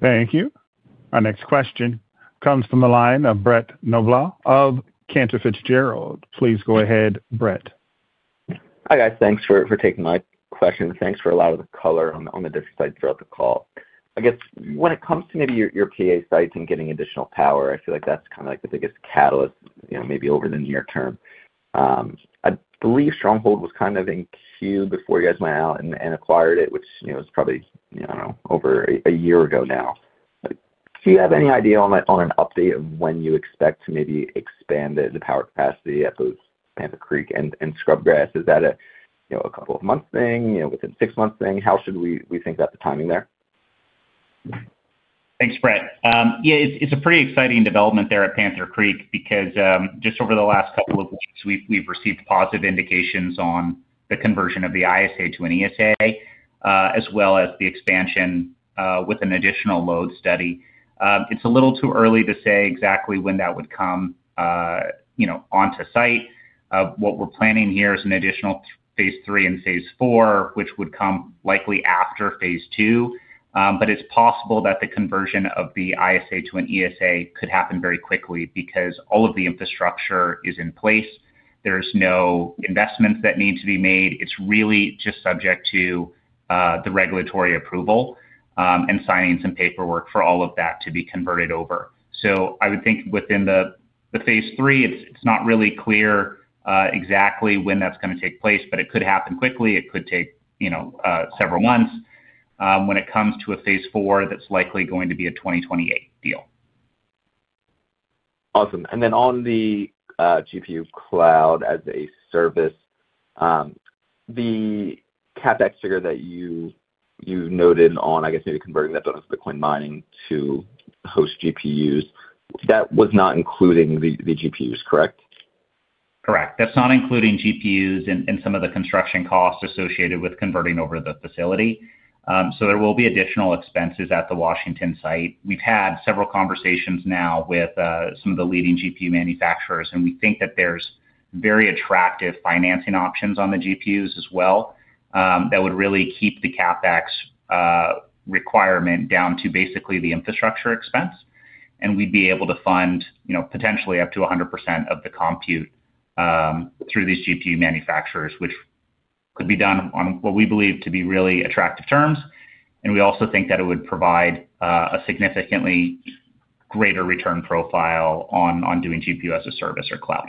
Thank you. Our next question comes from the line of Brett Noble of Cantor Fitzgerald. Please go ahead, Brett. Hi, guys. Thanks for taking my question. Thanks for a lot of the color on the different sites throughout the call. I guess when it comes to maybe your PA sites and getting additional power, I feel like that's kind of like the biggest catalyst maybe over the near term. I believe Stronghold was kind of in queue before you guys went out and acquired it, which was probably, I do not know, over a year ago now. Do you have any idea on an update of when you expect to maybe expand the power capacity at both Panther Creek and Scrubgrass? Is that a couple of months thing, within six months thing? How should we think about the timing there? Thanks, Brett. Yeah, it's a pretty exciting development there at Panther Creek because just over the last couple of weeks, we've received positive indications on the conversion of the ISA to an ESA, as well as the expansion with an additional load study. It's a little too early to say exactly when that would come onto site. What we're planning here is an additional phase III and phase IV, which would come likely after phase II. It's possible that the conversion of the ISA to an ESA could happen very quickly because all of the infrastructure is in place. There's no investments that need to be made. It's really just subject to the regulatory approval and signing some paperwork for all of that to be converted over. I would think within the phase III, it's not really clear exactly when that's going to take place, but it could happen quickly. It could take several months. When it comes to a phase IV, that's likely going to be a 2028 deal. Awesome. On the GPU Cloud as a service, the CapEx figure that you noted on, I guess, maybe converting that down to Bitcoin mining to host GPUs, that was not including the GPUs, correct? Correct. That's not including GPUs and some of the construction costs associated with converting over the facility. There will be additional expenses at the Washington site. We've had several conversations now with some of the leading GPU manufacturers, and we think that there's very attractive financing options on the GPUs as well that would really keep the CapEx requirement down to basically the infrastructure expense. We'd be able to fund potentially up to 100% of the compute through these GPU manufacturers, which could be done on what we believe to be really attractive terms. We also think that it would provide a significantly greater return profile on doing GPU as a service or cloud.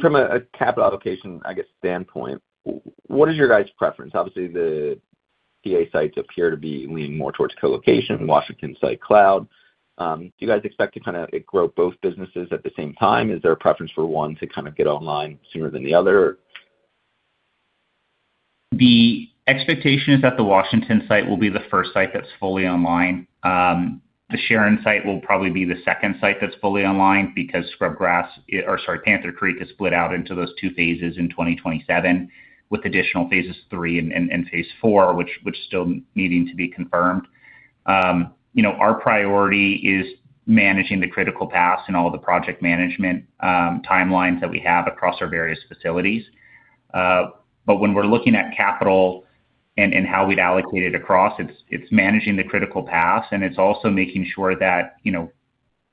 From a capital allocation, I guess, standpoint, what is your guys' preference? Obviously, the PA sites appear to be leaning more towards colocation, Washington site cloud. Do you guys expect to kind of grow both businesses at the same time? Is there a preference for one to kind of get online sooner than the other? The expectation is that the Washington site will be the first site that's fully online. The Sharon site will probably be the second site that's fully online because Panther Creek is split out into those two phases in 2027 with additional phases III and phase IV, which is still needing to be confirmed. Our priority is managing the critical paths and all the project management timelines that we have across our various facilities. When we're looking at capital and how we'd allocate it across, it's managing the critical paths, and it's also making sure that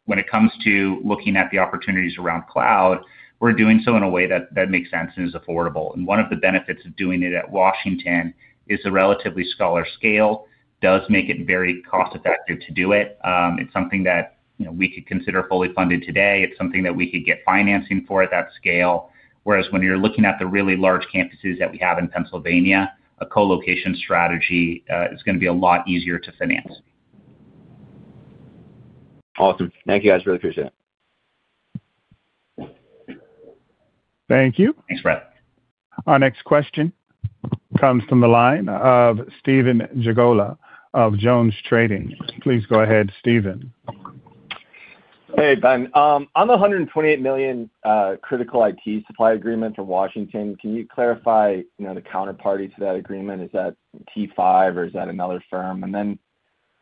when it comes to looking at the opportunities around cloud, we're doing so in a way that makes sense and is affordable. One of the benefits of doing it at Washington is a relatively smaller scale does make it very cost-effective to do it. It's something that we could consider fully funded today. It's something that we could get financing for at that scale. Whereas when you're looking at the really large campuses that we have in Pennsylvania, a colocation strategy is going to be a lot easier to finance. Awesome. Thank you guys. Really appreciate it. Thank you. Thanks, Brett. Our next question comes from the line of Stephen Glagola of JonesTrading. Please go ahead, Stephen. Hey, Ben. On the $128 million critical IT supply agreement for Washington, can you clarify the counterparty to that agreement? Is that T5 or is that another firm? And then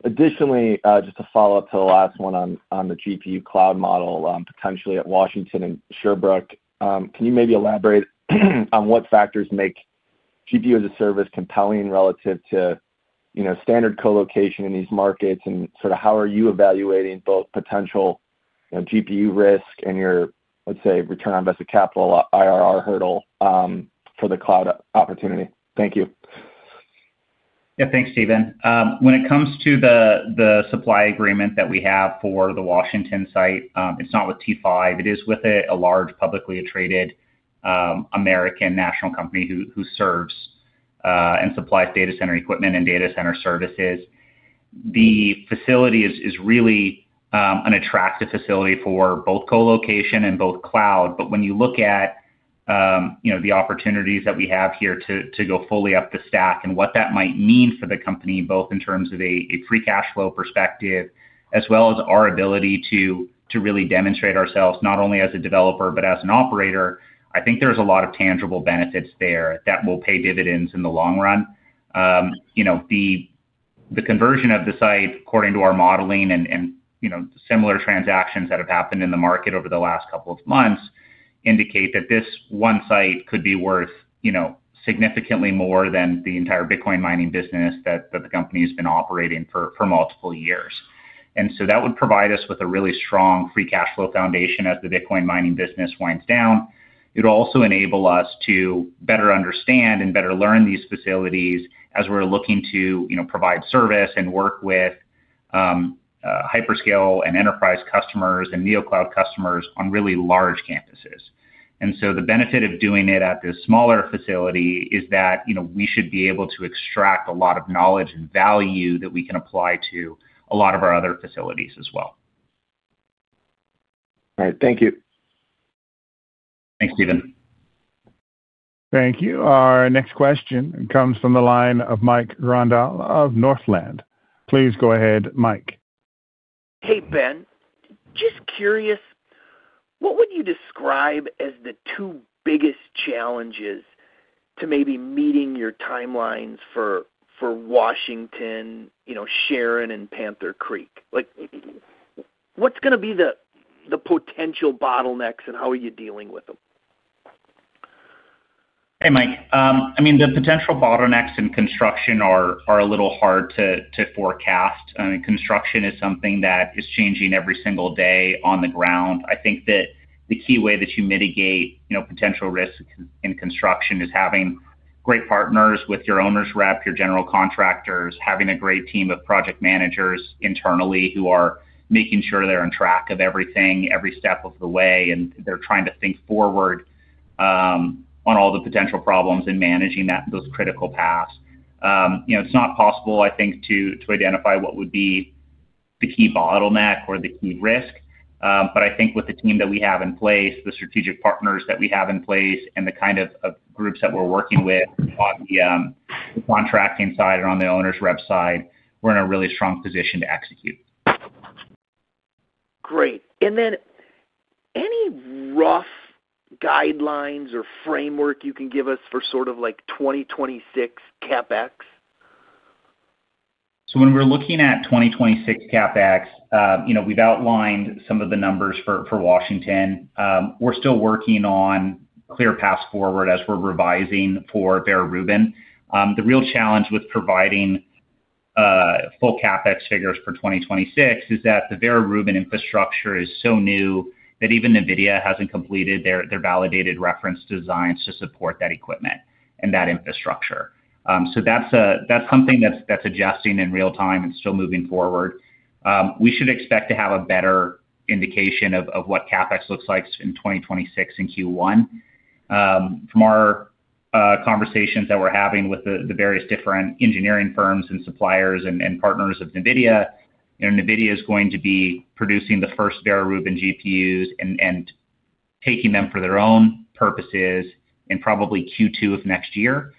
additionally, just a follow-up to the last one on the GPU cloud model potentially at Washington and Sherbrooke, can you maybe elaborate on what factors make GPU as a service compelling relative to standard colocation in these markets? How are you evaluating both potential GPU risk and your, let's say, return on invested capital IRR hurdle for the cloud opportunity? Thank you. Yeah, thanks, Stephen. When it comes to the supply agreement that we have for the Washington site, it's not with T5. It is with a large publicly traded American national company who serves and supplies data center equipment and data center services. The facility is really an attractive facility for both colocation and both cloud. When you look at the opportunities that we have here to go fully up the stack and what that might mean for the company, both in terms of a free cash flow perspective as well as our ability to really demonstrate ourselves not only as a developer, but as an operator, I think there's a lot of tangible benefits there that will pay dividends in the long run. The conversion of the site, according to our modeling and similar transactions that have happened in the market over the last couple of months, indicate that this one site could be worth significantly more than the entire Bitcoin mining business that the company has been operating for multiple years. That would provide us with a really strong free cash flow foundation as the Bitcoin mining business winds down. It'll also enable us to better understand and better learn these facilities as we're looking to provide service and work with hyperscale and enterprise customers and NeoCloud customers on really large campuses. The benefit of doing it at this smaller facility is that we should be able to extract a lot of knowledge and value that we can apply to a lot of our other facilities as well. All right. Thank you. Thanks, Stephen. Thank you. Our next question comes from the line of Mike Grondahl of Northland. Please go ahead, Mike. Hey, Ben. Just curious, what would you describe as the two biggest challenges to maybe meeting your timelines for Washington, Sharon, and Panther Creek? What's going to be the potential bottlenecks, and how are you dealing with them? Hey, Mike. I mean, the potential bottlenecks in construction are a little hard to forecast. Construction is something that is changing every single day on the ground. I think that the key way that you mitigate potential risks in construction is having great partners with your owners rep, your general contractors, having a great team of project managers internally who are making sure they're on track of everything every step of the way, and they're trying to think forward on all the potential problems in managing those critical paths. It's not possible, I think, to identify what would be the key bottleneck or the key risk. I think with the team that we have in place, the strategic partners that we have in place, and the kind of groups that we're working with on the contracting side and on the owners rep side, we're in a really strong position to execute. Great. Any rough guidelines or framework you can give us for sort of like 2026 CapEx? When we're looking at 2026 CapEx, we've outlined some of the numbers for Washington. We're still working on clear path forward as we're revising for Vera Rubin. The real challenge with providing full CapEx figures for 2026 is that the Vera Rubin infrastructure is so new that even NVIDIA hasn't completed their validated reference designs to support that equipment and that infrastructure. That's something that's adjusting in real time and still moving forward. We should expect to have a better indication of what CapEx looks like in 2026 in Q1. From our conversations that we're having with the various different engineering firms and suppliers and partners of NVIDIA, NVIDIA is going to be producing the first Vera Rubin GPUs and taking them for their own purposes in probably Q2 of next year.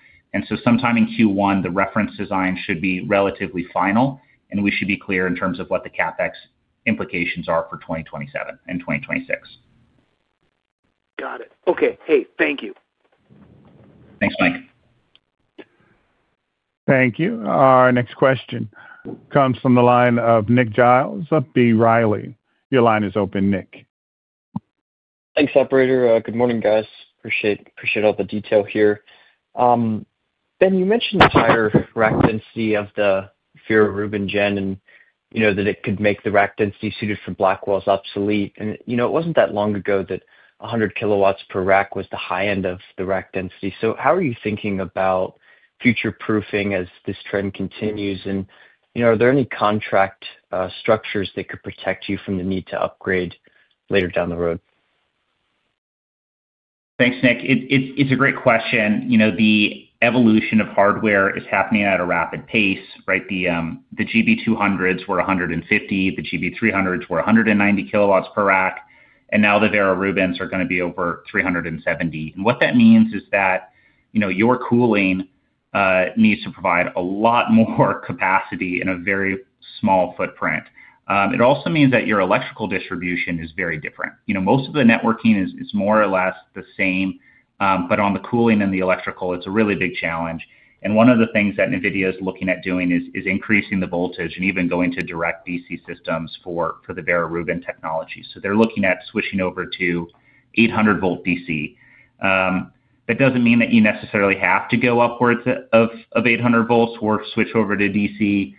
Sometime in Q1, the reference design should be relatively final, and we should be clear in terms of what the CapEx implications are for 2027 and 2026. Got it. Okay. Hey, thank you. Thanks, Mike. Thank you. Our next question comes from the line of Nick Giles of B. Riley. Your line is open, Nick. Thanks, operator. Good morning, guys. Appreciate all the detail here. Ben, you mentioned the higher rack density of the Vera Rubin Gen and that it could make the rack density suited for Blackwell's obsolete. It was not that long ago that 100 kW per rack was the high end of the rack density. How are you thinking about future-proofing as this trend continues? Are there any contract structures that could protect you from the need to upgrade later down the road? Thanks, Nick. It is a great question. The evolution of hardware is happening at a rapid pace, right? The GB200s were 150. The GB300s were 190 kW per rack. Now the Vera Rubins are going to be over 370. What that means is that your cooling needs to provide a lot more capacity in a very small footprint. It also means that your electrical distribution is very different. Most of the networking is more or less the same, but on the cooling and the electrical, it is a really big challenge. One of the things that NVIDIA is looking at doing is increasing the voltage and even going to direct DC systems for the Vera Rubin technology. They are looking at switching over to 800-volt DC. That does not mean that you necessarily have to go upwards of 800 volts or switch over to DC,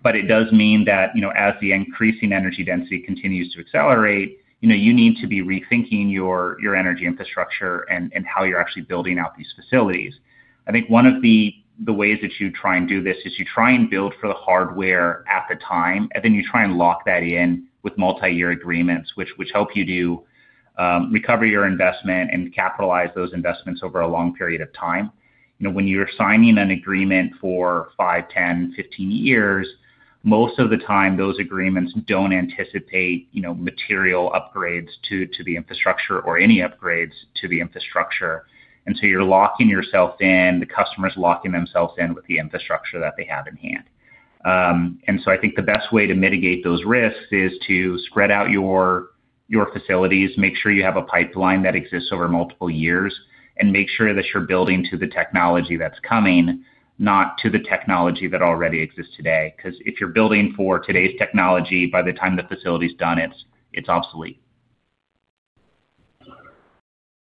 but it does mean that as the increasing energy density continues to accelerate, you need to be rethinking your energy infrastructure and how you are actually building out these facilities. I think one of the ways that you try and do this is you try and build for the hardware at the time, and then you try and lock that in with multi-year agreements, which help you to recover your investment and capitalize those investments over a long period of time. When you're signing an agreement for 5, 10, 15 years, most of the time, those agreements do not anticipate material upgrades to the infrastructure or any upgrades to the infrastructure. You are locking yourself in. The customer's locking themselves in with the infrastructure that they have in hand. I think the best way to mitigate those risks is to spread out your facilities, make sure you have a pipeline that exists over multiple years, and make sure that you're building to the technology that's coming, not to the technology that already exists today. Because if you're building for today's technology, by the time the facility's done, it's obsolete.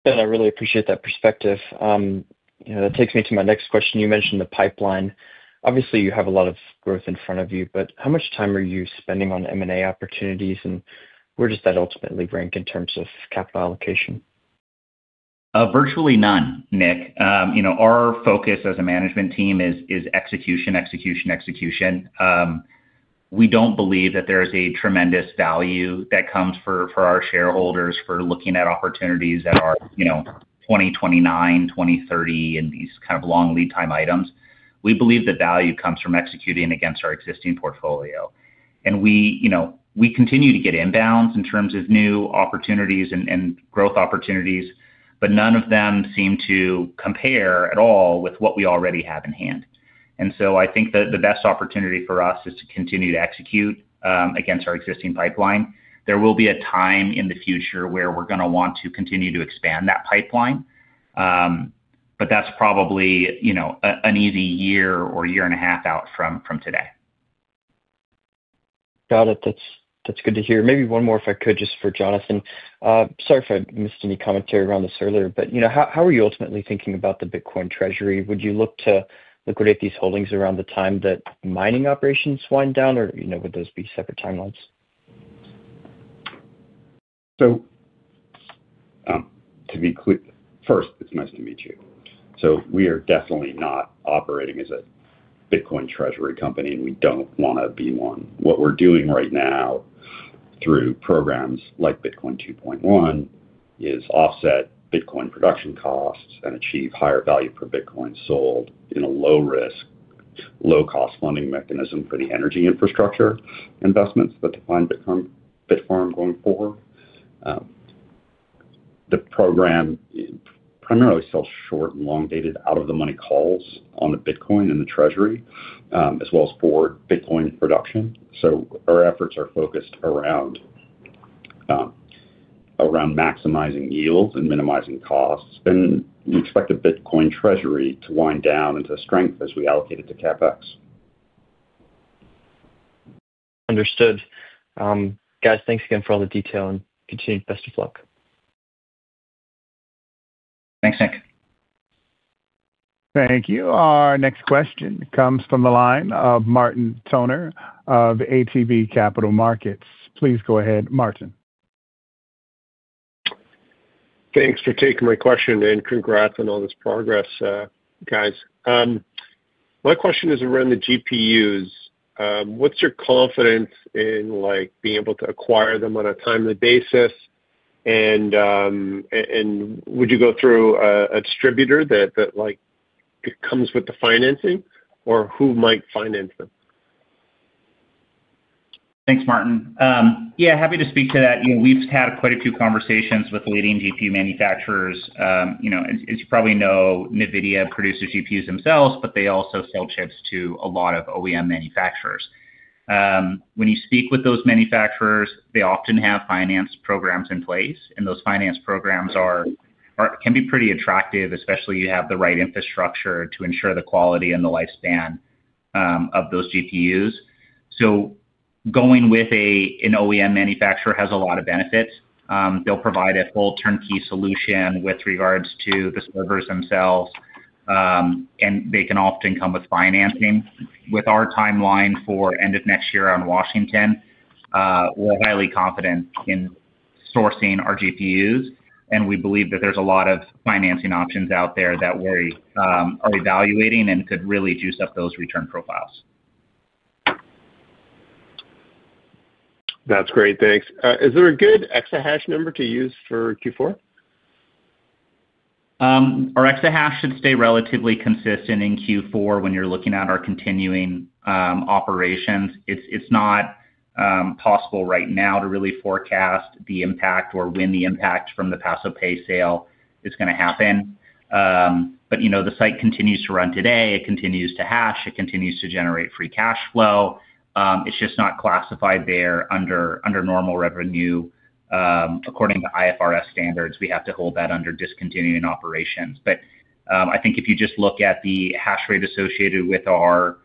Ben, I really appreciate that perspective. That takes me to my next question. You mentioned the pipeline. Obviously, you have a lot of growth in front of you, but how much time are you spending on M&A opportunities, and where does that ultimately rank in terms of capital allocation? Virtually none, Nick. Our focus as a management team is execution, execution, execution. We do not believe that there is a tremendous value that comes for our shareholders for looking at opportunities that are 2029, 2030, and these kind of long lead time items. We believe the value comes from executing against our existing portfolio. We continue to get inbounds in terms of new opportunities and growth opportunities, but none of them seem to compare at all with what we already have in hand. I think the best opportunity for us is to continue to execute against our existing pipeline. There will be a time in the future where we're going to want to continue to expand that pipeline, but that's probably an easy year or year and a half out from today. Got it. That's good to hear. Maybe one more, if I could, just for Jonathan. Sorry if I missed any commentary around this earlier, but how are you ultimately thinking about the Bitcoin treasury? Would you look to liquidate these holdings around the time that mining operations wind down, or would those be separate timelines? To be clear, first, it's nice to meet you. We are definitely not operating as a Bitcoin treasury company, and we don't want to be one. What we're doing right now through programs like Bitcoin 2.1 is offset Bitcoin production costs and achieve higher value per Bitcoin sold in a low-risk, low-cost funding mechanism for the energy infrastructure investments that define Bitfarms going forward. The program primarily sells short and long-dated out-of-the-money calls on the Bitcoin and the treasury, as well as for Bitcoin production. Our efforts are focused around maximizing yields and minimizing costs. We expect the Bitcoin treasury to wind down into strength as we allocate it to CapEx. Understood. Guys, thanks again for all the detail and continued best of luck. Thanks, Nick. Thank you. Our next question comes from the line of Martin Toner of ATB Capital Markets. Please go ahead, Martin. Thanks for taking my question and congrats on all this progress, guys. My question is around the GPUs. What's your confidence in being able to acquire them on a timely basis? Would you go through a distributor that comes with the financing, or who might finance them? Thanks, Martin. Yeah, happy to speak to that. We've had quite a few conversations with leading GPU manufacturers. As you probably know, NVIDIA produces GPUs themselves, but they also sell chips to a lot of OEM manufacturers. When you speak with those manufacturers, they often have finance programs in place, and those finance programs can be pretty attractive, especially if you have the right infrastructure to ensure the quality and the lifespan of those GPUs. Going with an OEM manufacturer has a lot of benefits. They'll provide a full turnkey solution with regards to the servers themselves, and they can often come with financing. With our timeline for end of next year on Washington, we're highly confident in sourcing our GPUs, and we believe that there's a lot of financing options out there that we are evaluating and could really juice up those return profiles. That's great. Thanks. Is there a good exahash number to use for Q4? Our exahash should stay relatively consistent in Q4 when you're looking at our continuing operations. It's not possible right now to really forecast the impact or when the impact from the Paso Pe sale is going to happen. The site continues to run today. It continues to hash. It continues to generate free cash flow. It's just not classified there under normal revenue. According to IFRS standards, we have to hold that under discontinuing operations. I think if you just look at the hash rate associated with the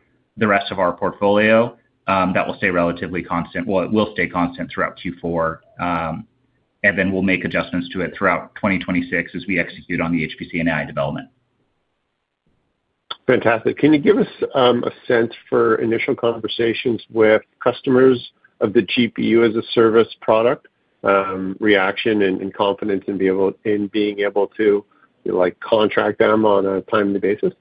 rest of our portfolio, that will stay relatively constant. It will stay constant throughout Q4, and then we'll make adjustments to it throughout 2026 as we execute on the HPC and AI development. Fantastic. Can you give us a sense for initial conversations with customers of the GPU as a service product reaction and confidence in being able to contract them on a timely basis?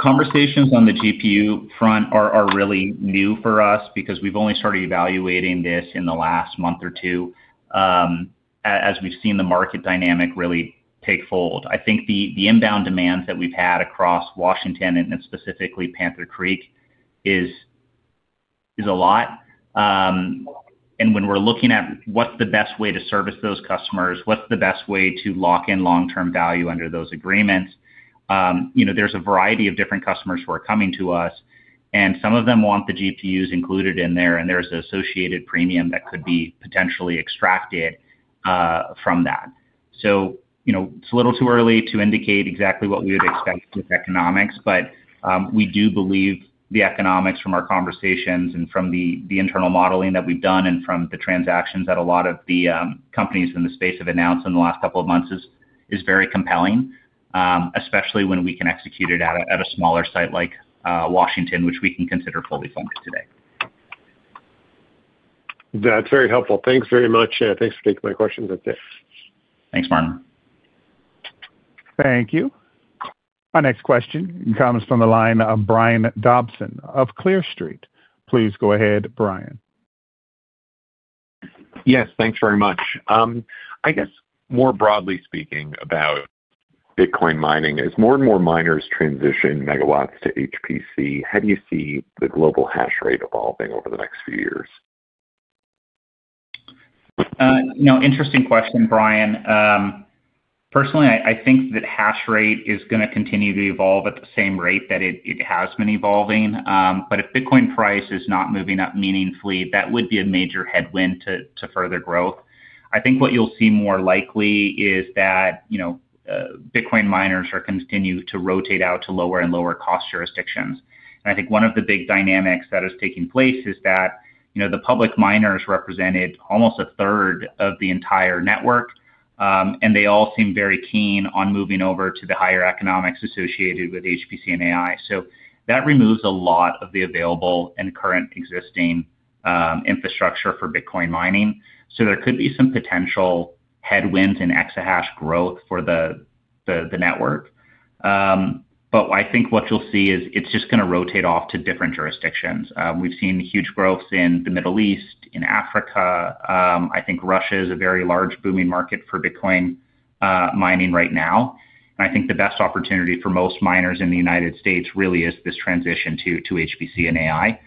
Conversations on the GPU front are really new for us because we've only started evaluating this in the last month or two as we've seen the market dynamic really take fold. I think the inbound demands that we've had across Washington and specifically Panther Creek is a lot. When we're looking at what's the best way to service those customers, what's the best way to lock in long-term value under those agreements, there's a variety of different customers who are coming to us, and some of them want the GPUs included in there, and there's an associated premium that could be potentially extracted from that. It's a little too early to indicate exactly what we would expect with economics, but we do believe the economics from our conversations and from the internal modeling that we've done and from the transactions that a lot of the companies in the space have announced in the last couple of months is very compelling, especially when we can execute it at a smaller site like Washington, which we can consider fully funded today. That's very helpful. Thanks very much. Thanks for taking my questions that day. Thanks, Martin. Thank you. Our next question comes from the line of Brian Dobson of Clear Street. Please go ahead, Brian. Yes, thanks very much. I guess more broadly speaking about Bitcoin mining, as more and more miners transition megawatts to HPC, how do you see the global hash rate evolving over the next few years? Interesting question, Brian. Personally, I think that hash rate is going to continue to evolve at the same rate that it has been evolving. If Bitcoin price is not moving up meaningfully, that would be a major headwind to further growth. I think what you'll see more likely is that Bitcoin miners are continuing to rotate out to lower and lower cost jurisdictions. I think one of the big dynamics that is taking place is that the public miners represented almost a third of the entire network, and they all seem very keen on moving over to the higher economics associated with HPC and AI. That removes a lot of the available and current existing infrastructure for Bitcoin mining. There could be some potential headwinds in exahash growth for the network. I think what you'll see is it's just going to rotate off to different jurisdictions. We've seen huge growths in the Middle East, in Africa. I think Russia is a very large booming market for Bitcoin mining right now. I think the best opportunity for most miners in the United States really is this transition to HPC and AI.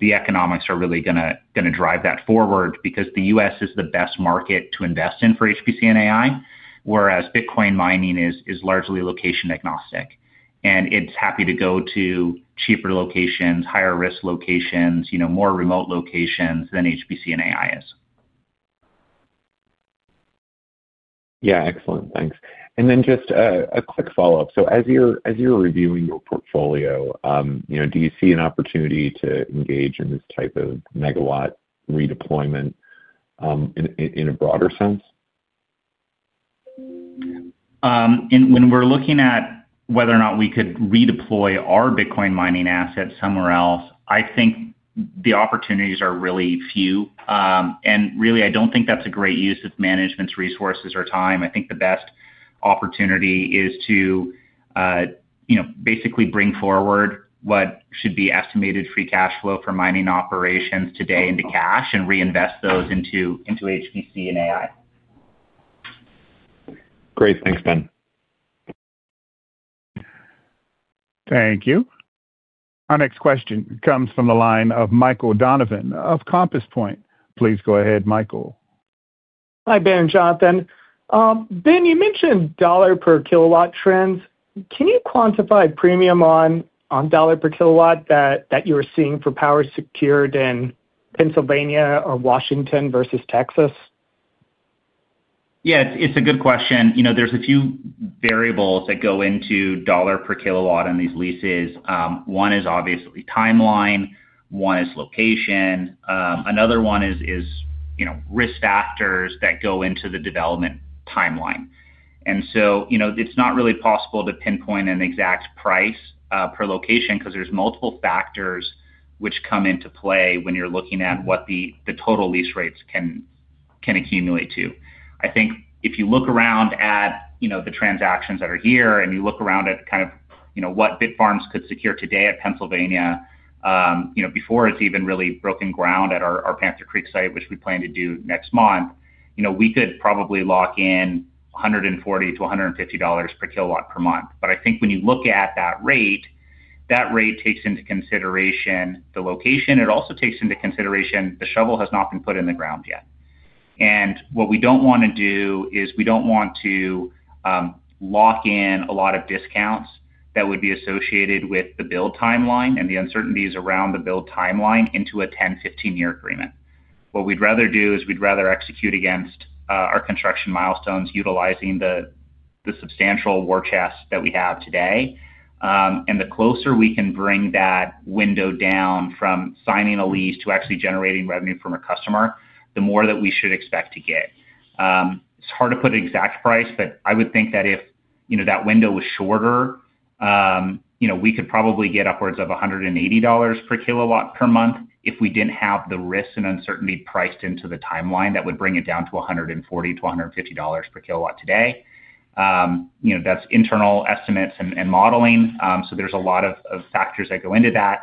The economics are really going to drive that forward because the U.S. is the best market to invest in for HPC and AI, whereas Bitcoin mining is largely location agnostic. It's happy to go to cheaper locations, higher-risk locations, more remote locations than HPC and AI is. Yeah, excellent. Thanks. Just a quick follow-up. As you're reviewing your portfolio, do you see an opportunity to engage in this type of megawatt redeployment in a broader sense? When we're looking at whether or not we could redeploy our Bitcoin mining asset somewhere else, I think the opportunities are really few. I don't think that's a great use of management's resources or time. I think the best opportunity is to basically bring forward what should be estimated free cash flow for mining operations today into cash and reinvest those into HPC and AI. Great. Thanks, Ben. Thank you. Our next question comes from the line of Michael Donovan of Compass Point. Please go ahead, Michael. Hi, Ben, Jonathan. Ben, you mentioned dollar per kilowatt trends. Can you quantify premium on dollar per kilowatt that you're seeing for power secured in Pennsylvania or Washington versus Texas? Yeah, it's a good question. There's a few variables that go into dollar per kilowatt on these leases. One is obviously timeline. One is location. Another one is risk factors that go into the development timeline. It's not really possible to pinpoint an exact price per location because there's multiple factors which come into play when you're looking at what the total lease rates can accumulate to. I think if you look around at the transactions that are here and you look around at kind of what Bitfarms could secure today at Pennsylvania before it has even really broken ground at our Panther Creek site, which we plan to do next month, we could probably lock in $140-$150 per kW per month. I think when you look at that rate, that rate takes into consideration the location. It also takes into consideration the shovel has not been put in the ground yet. What we do not want to do is we do not want to lock in a lot of discounts that would be associated with the build timeline and the uncertainties around the build timeline into a 10-15 year agreement. What we would rather do is we would rather execute against our construction milestones utilizing the substantial war chest that we have today. The closer we can bring that window down from signing a lease to actually generating revenue from a customer, the more that we should expect to get. It's hard to put an exact price, but I would think that if that window was shorter, we could probably get upwards of $180 per kW per month if we did not have the risks and uncertainty priced into the timeline that would bring it down to $140-$150 per kW today. That's internal estimates and modeling. There are a lot of factors that go into that.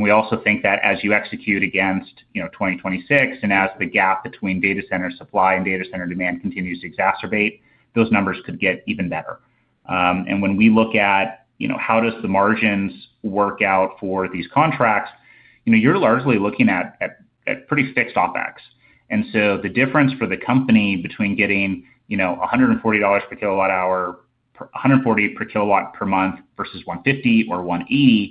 We also think that as you execute against 2026 and as the gap between data center supply and data center demand continues to exacerbate, those numbers could get even better. When we look at how the margins work out for these contracts, you're largely looking at pretty fixed OpEx. The difference for the company between getting $140 per kW per month versus $150 or $180 is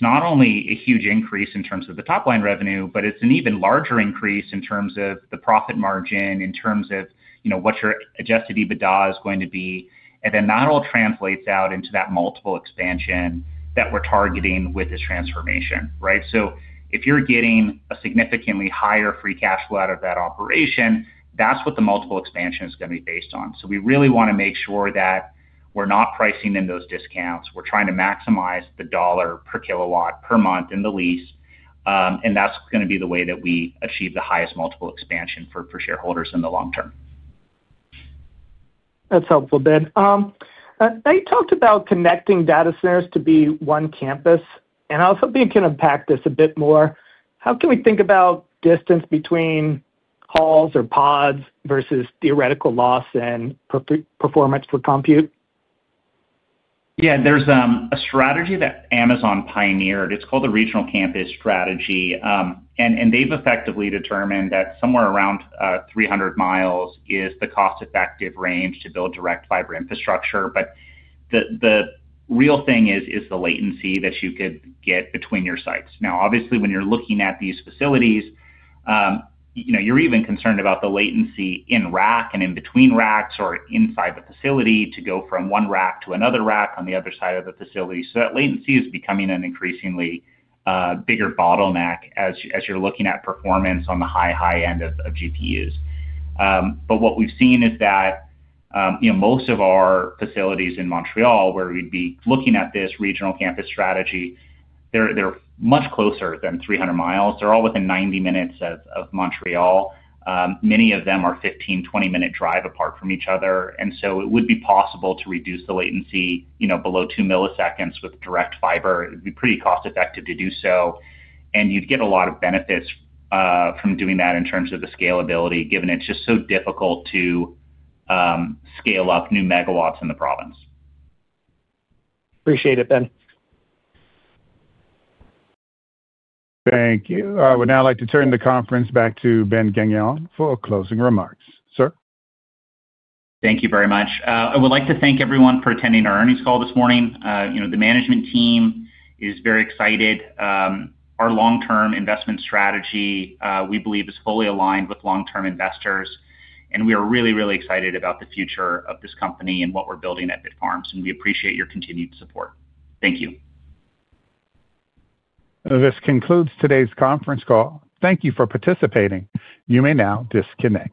not only a huge increase in terms of the top-line revenue, but it is an even larger increase in terms of the profit margin, in terms of what your adjusted EBITDA is going to be. That all translates out into that multiple expansion that we are targeting with this transformation, right? If you are getting a significantly higher free cash flow out of that operation, that is what the multiple expansion is going to be based on. We really want to make sure that we are not pricing in those discounts. We are trying to maximize the dollar per kilowatt per month in the lease. That is going to be the way that we achieve the highest multiple expansion for shareholders in the long term. That is helpful, Ben. Now, you talked about connecting data centers to be one campus. I was hoping it can unpack this a bit more. How can we think about distance between halls or pods versus theoretical loss and performance for compute? Yeah, there's a strategy that Amazon pioneered. It's called the regional campus strategy. They've effectively determined that somewhere around 300 mi is the cost-effective range to build direct fiber infrastructure. The real thing is the latency that you could get between your sites. Now, obviously, when you're looking at these facilities, you're even concerned about the latency in rack and in between racks or inside the facility to go from one rack to another rack on the other side of the facility. That latency is becoming an increasingly bigger bottleneck as you're looking at performance on the high, high end of GPUs. What we've seen is that most of our facilities in Montreal, where we'd be looking at this regional campus strategy, are much closer than 300 miles. They're all within 90 minutes of Montreal. Many of them are a 15, 20-minute drive apart from each other. It would be possible to reduce the latency below 2 milliseconds with direct fiber. It would be pretty cost-effective to do so. You would get a lot of benefits from doing that in terms of the scalability, given it's just so difficult to scale up new megawatts in the province. Appreciate it, Ben. Thank you. I would now like to turn the conference back to Ben Gagnon for closing remarks. Sir. Thank you very much. I would like to thank everyone for attending our earnings call this morning. The management team is very excited. Our long-term investment strategy, we believe, is fully aligned with long-term investors. We are really, really excited about the future of this company and what we are building at Bitfarms. We appreciate your continued support. Thank you. This concludes today's conference call. Thank you for participating. You may now disconnect.